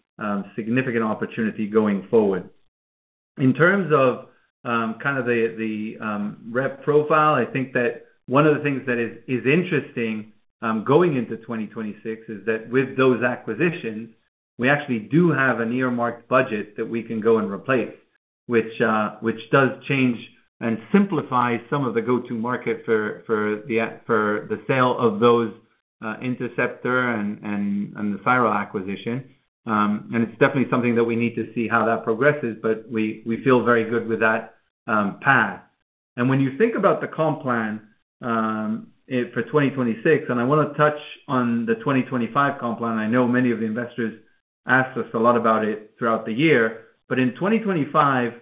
significant opportunity going forward. In terms of kind of the rep profile, I think that one of the things that is interesting going into 2026 is that with those acquisitions, we actually do have an earmarked budget that we can go and replace, which does change and simplify some of the go-to-market for the sale of those Interceptor and the Cyolo acquisition. And it's definitely something that we need to see how that progresses, but we feel very good with that path. When you think about the comp plan, it for 2026, and I wanna touch on the 2025 comp plan. I know many of the investors asked us a lot about it throughout the year, but in 2025,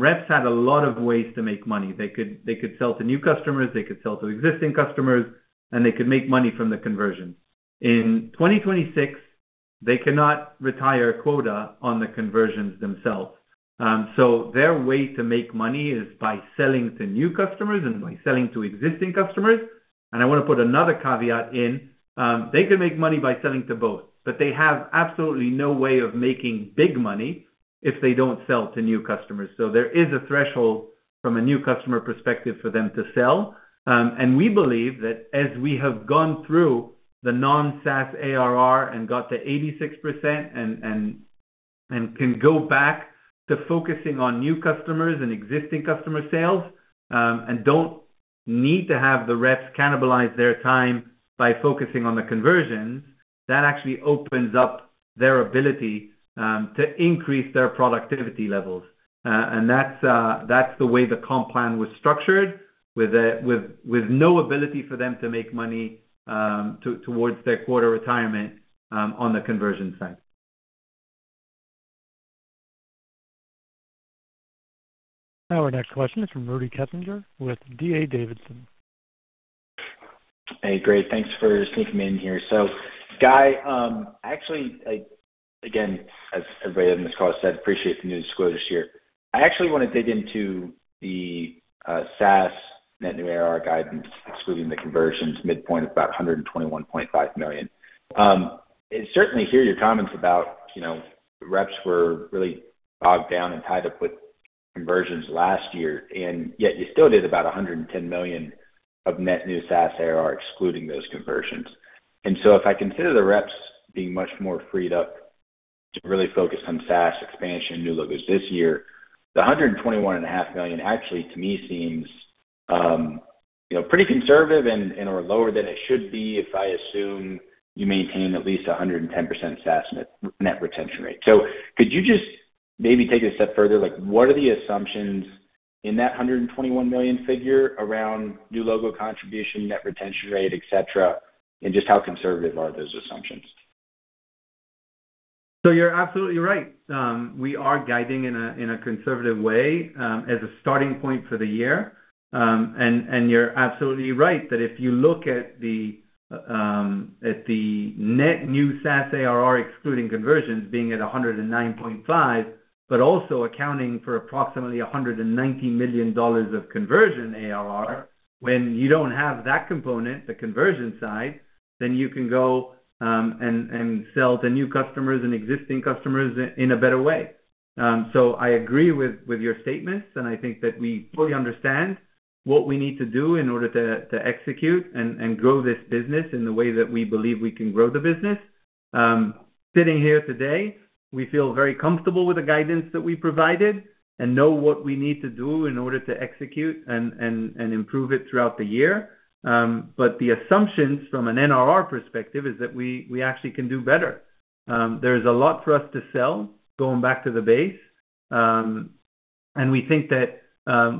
reps had a lot of ways to make money. They could, they could sell to new customers, they could sell to existing customers, and they could make money from the conversions. In 2026, they cannot retire quota on the conversions themselves. So their way to make money is by selling to new customers and by selling to existing customers. And I wanna put another caveat in, they could make money by selling to both, but they have absolutely no way of making big money if they don't sell to new customers. So there is a threshold from a new customer perspective for them to sell. And we believe that as we have gone through the non-SaaS ARR and got to 86% and can go back to focusing on new customers and existing customer sales, and don't need to have the reps cannibalize their time by focusing on the conversions, that actually opens up their ability to increase their productivity levels. And that's the way the comp plan was structured, with no ability for them to make money towards their quarter retirement on the conversion side. Our next question is from Rudy Kessinger with DA Davidson. Hey, great. Thanks for sneaking me in here. So, Guy, actually, like, again, as everybody on this call said, appreciate the new disclosure this year. I actually wanna dig into the, SaaS net new ARR guidance, excluding the conversions midpoint of about $121.5 million. I certainly hear your comments about, you know, reps were really bogged down and tied up with conversions last year, and yet you still did about $110 million of net new SaaS ARR, excluding those conversions. And so if I consider the reps being much more freed up to really focus on SaaS expansion and new logos this year, the $121.5 million actually, to me, seems, you know, pretty conservative and/or lower than it should be, if I assume you maintain at least 110% SaaS net retention rate. So could you just maybe take a step further? Like, what are the assumptions in that $121 million figure around new logo contribution, net retention rate, et cetera, and just how conservative are those assumptions? So you're absolutely right. We are guiding in a conservative way as a starting point for the year. And you're absolutely right that if you look at the at the net new SaaS ARR, excluding conversions, being at $109.5, but also accounting for approximately $190 million of conversion ARR, when you don't have that component, the conversion side, then you can go and sell to new customers and existing customers in a better way. So I agree with your statements, and I think that we fully understand what we need to do in order to execute and grow this business in the way that we believe we can grow the business. Sitting here today, we feel very comfortable with the guidance that we provided and know what we need to do in order to execute and improve it throughout the year. But the assumptions from an NRR perspective is that we actually can do better. There's a lot for us to sell, going back to the base. And we think that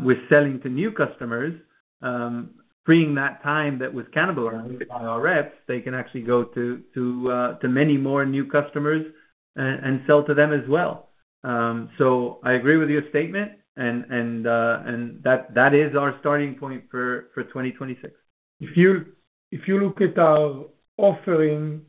with selling to new customers, freeing that time that was cannibalized by our reps, they can actually go to many more new customers and sell to them as well. So I agree with your statement and that is our starting point for 2026. If you look at our offering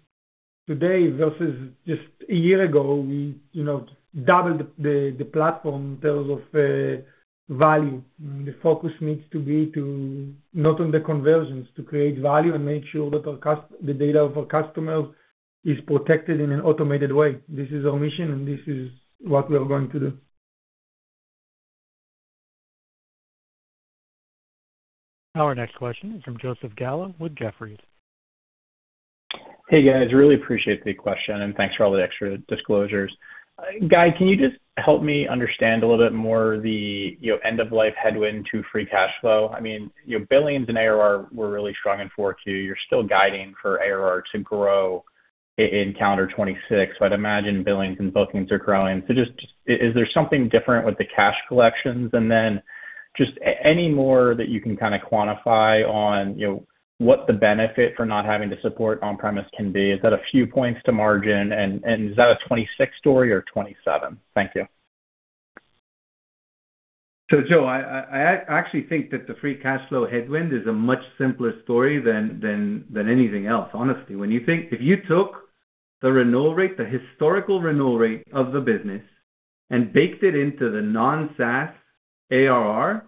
today versus just a year ago, we, you know, doubled the platform in terms of value. The focus needs to be to... not on the conversions, to create value and make sure that the data of our customers is protected in an automated way. This is our mission, and this is what we are going to do. Our next question is from Joseph Gallo with Jefferies. Hey, guys. Really appreciate the question, and thanks for all the extra disclosures. Guy, can you just help me understand a little bit more the, you know, end-of-life headwind to free cash flow? I mean, your billings and ARR were really strong in Q4. You're still guiding for ARR to grow in calendar 2026. So I'd imagine billings and bookings are growing. So just, is there something different with the cash collections? And then, just any more that you can kinda quantify on, you know, what the benefit for not having to support on-premise can be? Is that a few points to margin, and is that a 2026 story or 2027? Thank you. So, Joe, I actually think that the free cash flow headwind is a much simpler story than anything else, honestly. When you think if you took the renewal rate, the historical renewal rate of the business, and baked it into the non-SaaS ARR.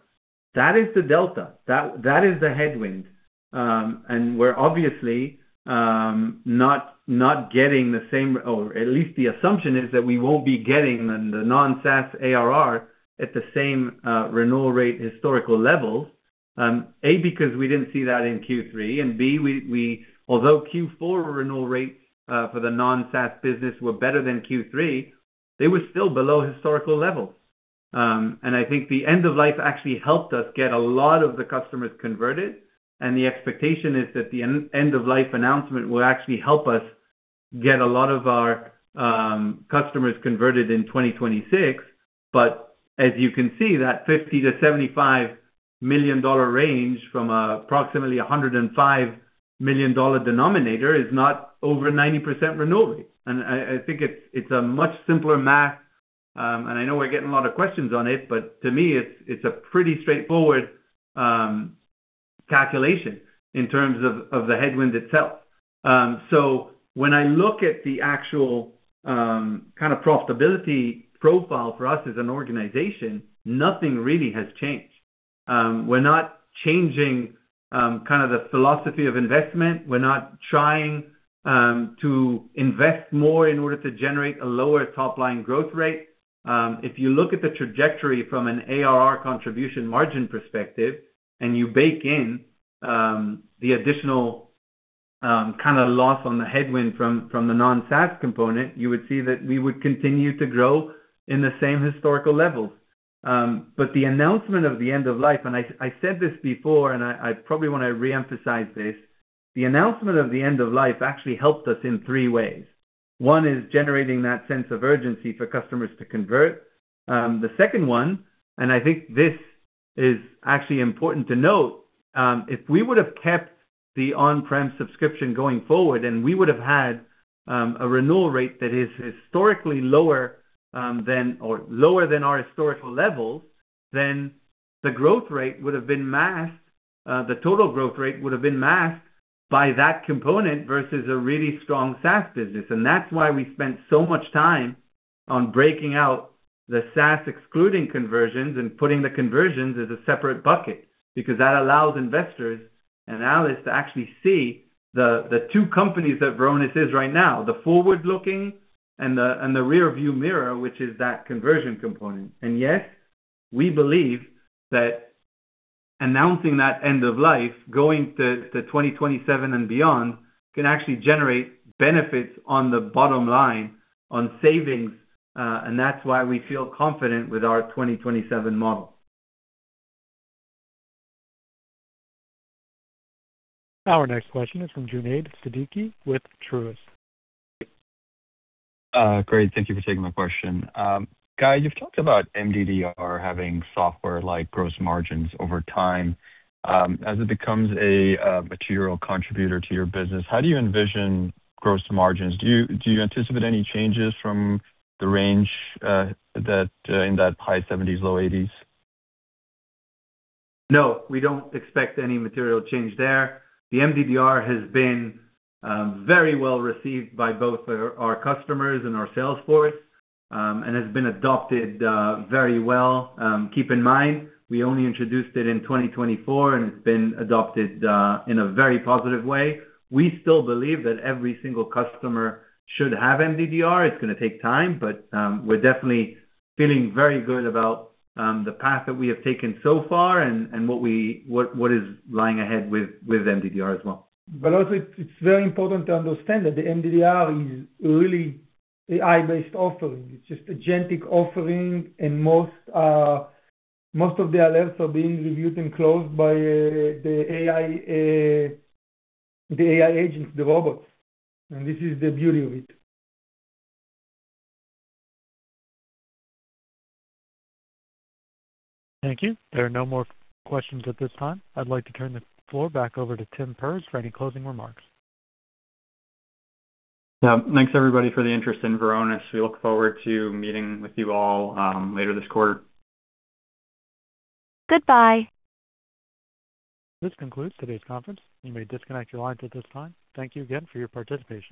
That is the delta, that is the headwind. And we're obviously not getting the same, or at least the assumption is that we won't be getting the non-SaaS ARR at the same renewal rate, historical levels. A, because we didn't see that in Q3, and B, although Q4 renewal rates for the non-SaaS business were better than Q3, they were still below historical levels. And I think the end of life actually helped us get a lot of the customers converted, and the expectation is that the end-of-life announcement will actually help us get a lot of our customers converted in 2026. But as you can see, that $50-$75 million range from approximately $105 million denominator is not over 90% renewal rate. And I think it's a much simpler math, and I know we're getting a lot of questions on it, but to me, it's a pretty straightforward calculation in terms of the headwind itself. So when I look at the actual kind of profitability profile for us as an organization, nothing really has changed. We're not changing kind of the philosophy of investment. We're not trying to invest more in order to generate a lower top-line growth rate. If you look at the trajectory from an ARR contribution margin perspective, and you bake in the additional kind of loss on the headwind from the non-SaaS component, you would see that we would continue to grow in the same historical levels. But the announcement of the end of life, and I said this before, and I probably want to reemphasize this. The announcement of the end of life actually helped us in three ways. One is generating that sense of urgency for customers to convert. The second one, and I think this is actually important to note, if we would have kept the on-prem subscription going forward, and we would have had a renewal rate that is historically lower than or lower than our historical levels, then the growth rate would have been masked, the total growth rate would have been masked by that component versus a really strong SaaS business. And that's why we spent so much time on breaking out the SaaS, excluding conversions, and putting the conversions as a separate bucket, because that allows investors and analysts to actually see the two companies that Varonis is right now, the forward-looking and the rear view mirror, which is that conversion component. Yes, we believe that announcing that end of life, going to 2027 and beyond, can actually generate benefits on the bottom line on savings, and that's why we feel confident with our 2027 model. Our next question is from Junaid Siddiqui with Truist. Great. Thank you for taking my question. Guy, you've talked about MDDR having software-like gross margins over time. As it becomes a material contributor to your business, how do you envision gross margins? Do you anticipate any changes from the range in that high 70s-low 80s? No, we don't expect any material change there. The MDDR has been very well received by both our customers and our sales force, and has been adopted very well. Keep in mind, we only introduced it in 2024, and it's been adopted in a very positive way. We still believe that every single customer should have MDDR. It's gonna take time, but we're definitely feeling very good about the path that we have taken so far and what is lying ahead with MDDR as well. But also, it's very important to understand that the MDDR is really AI-based offering. It's just a GenAI offering, and most of the alerts are being reviewed and closed by the AI, the AI agents, the robots, and this is the beauty of it. Thank you. There are no more questions at this time. I'd like to turn the floor back over to Tim Perz for any closing remarks. Yeah. Thanks, everybody, for the interest in Varonis. We look forward to meeting with you all, later this quarter. Goodbye. This concludes today's conference. You may disconnect your lines at this time. Thank you again for your participation.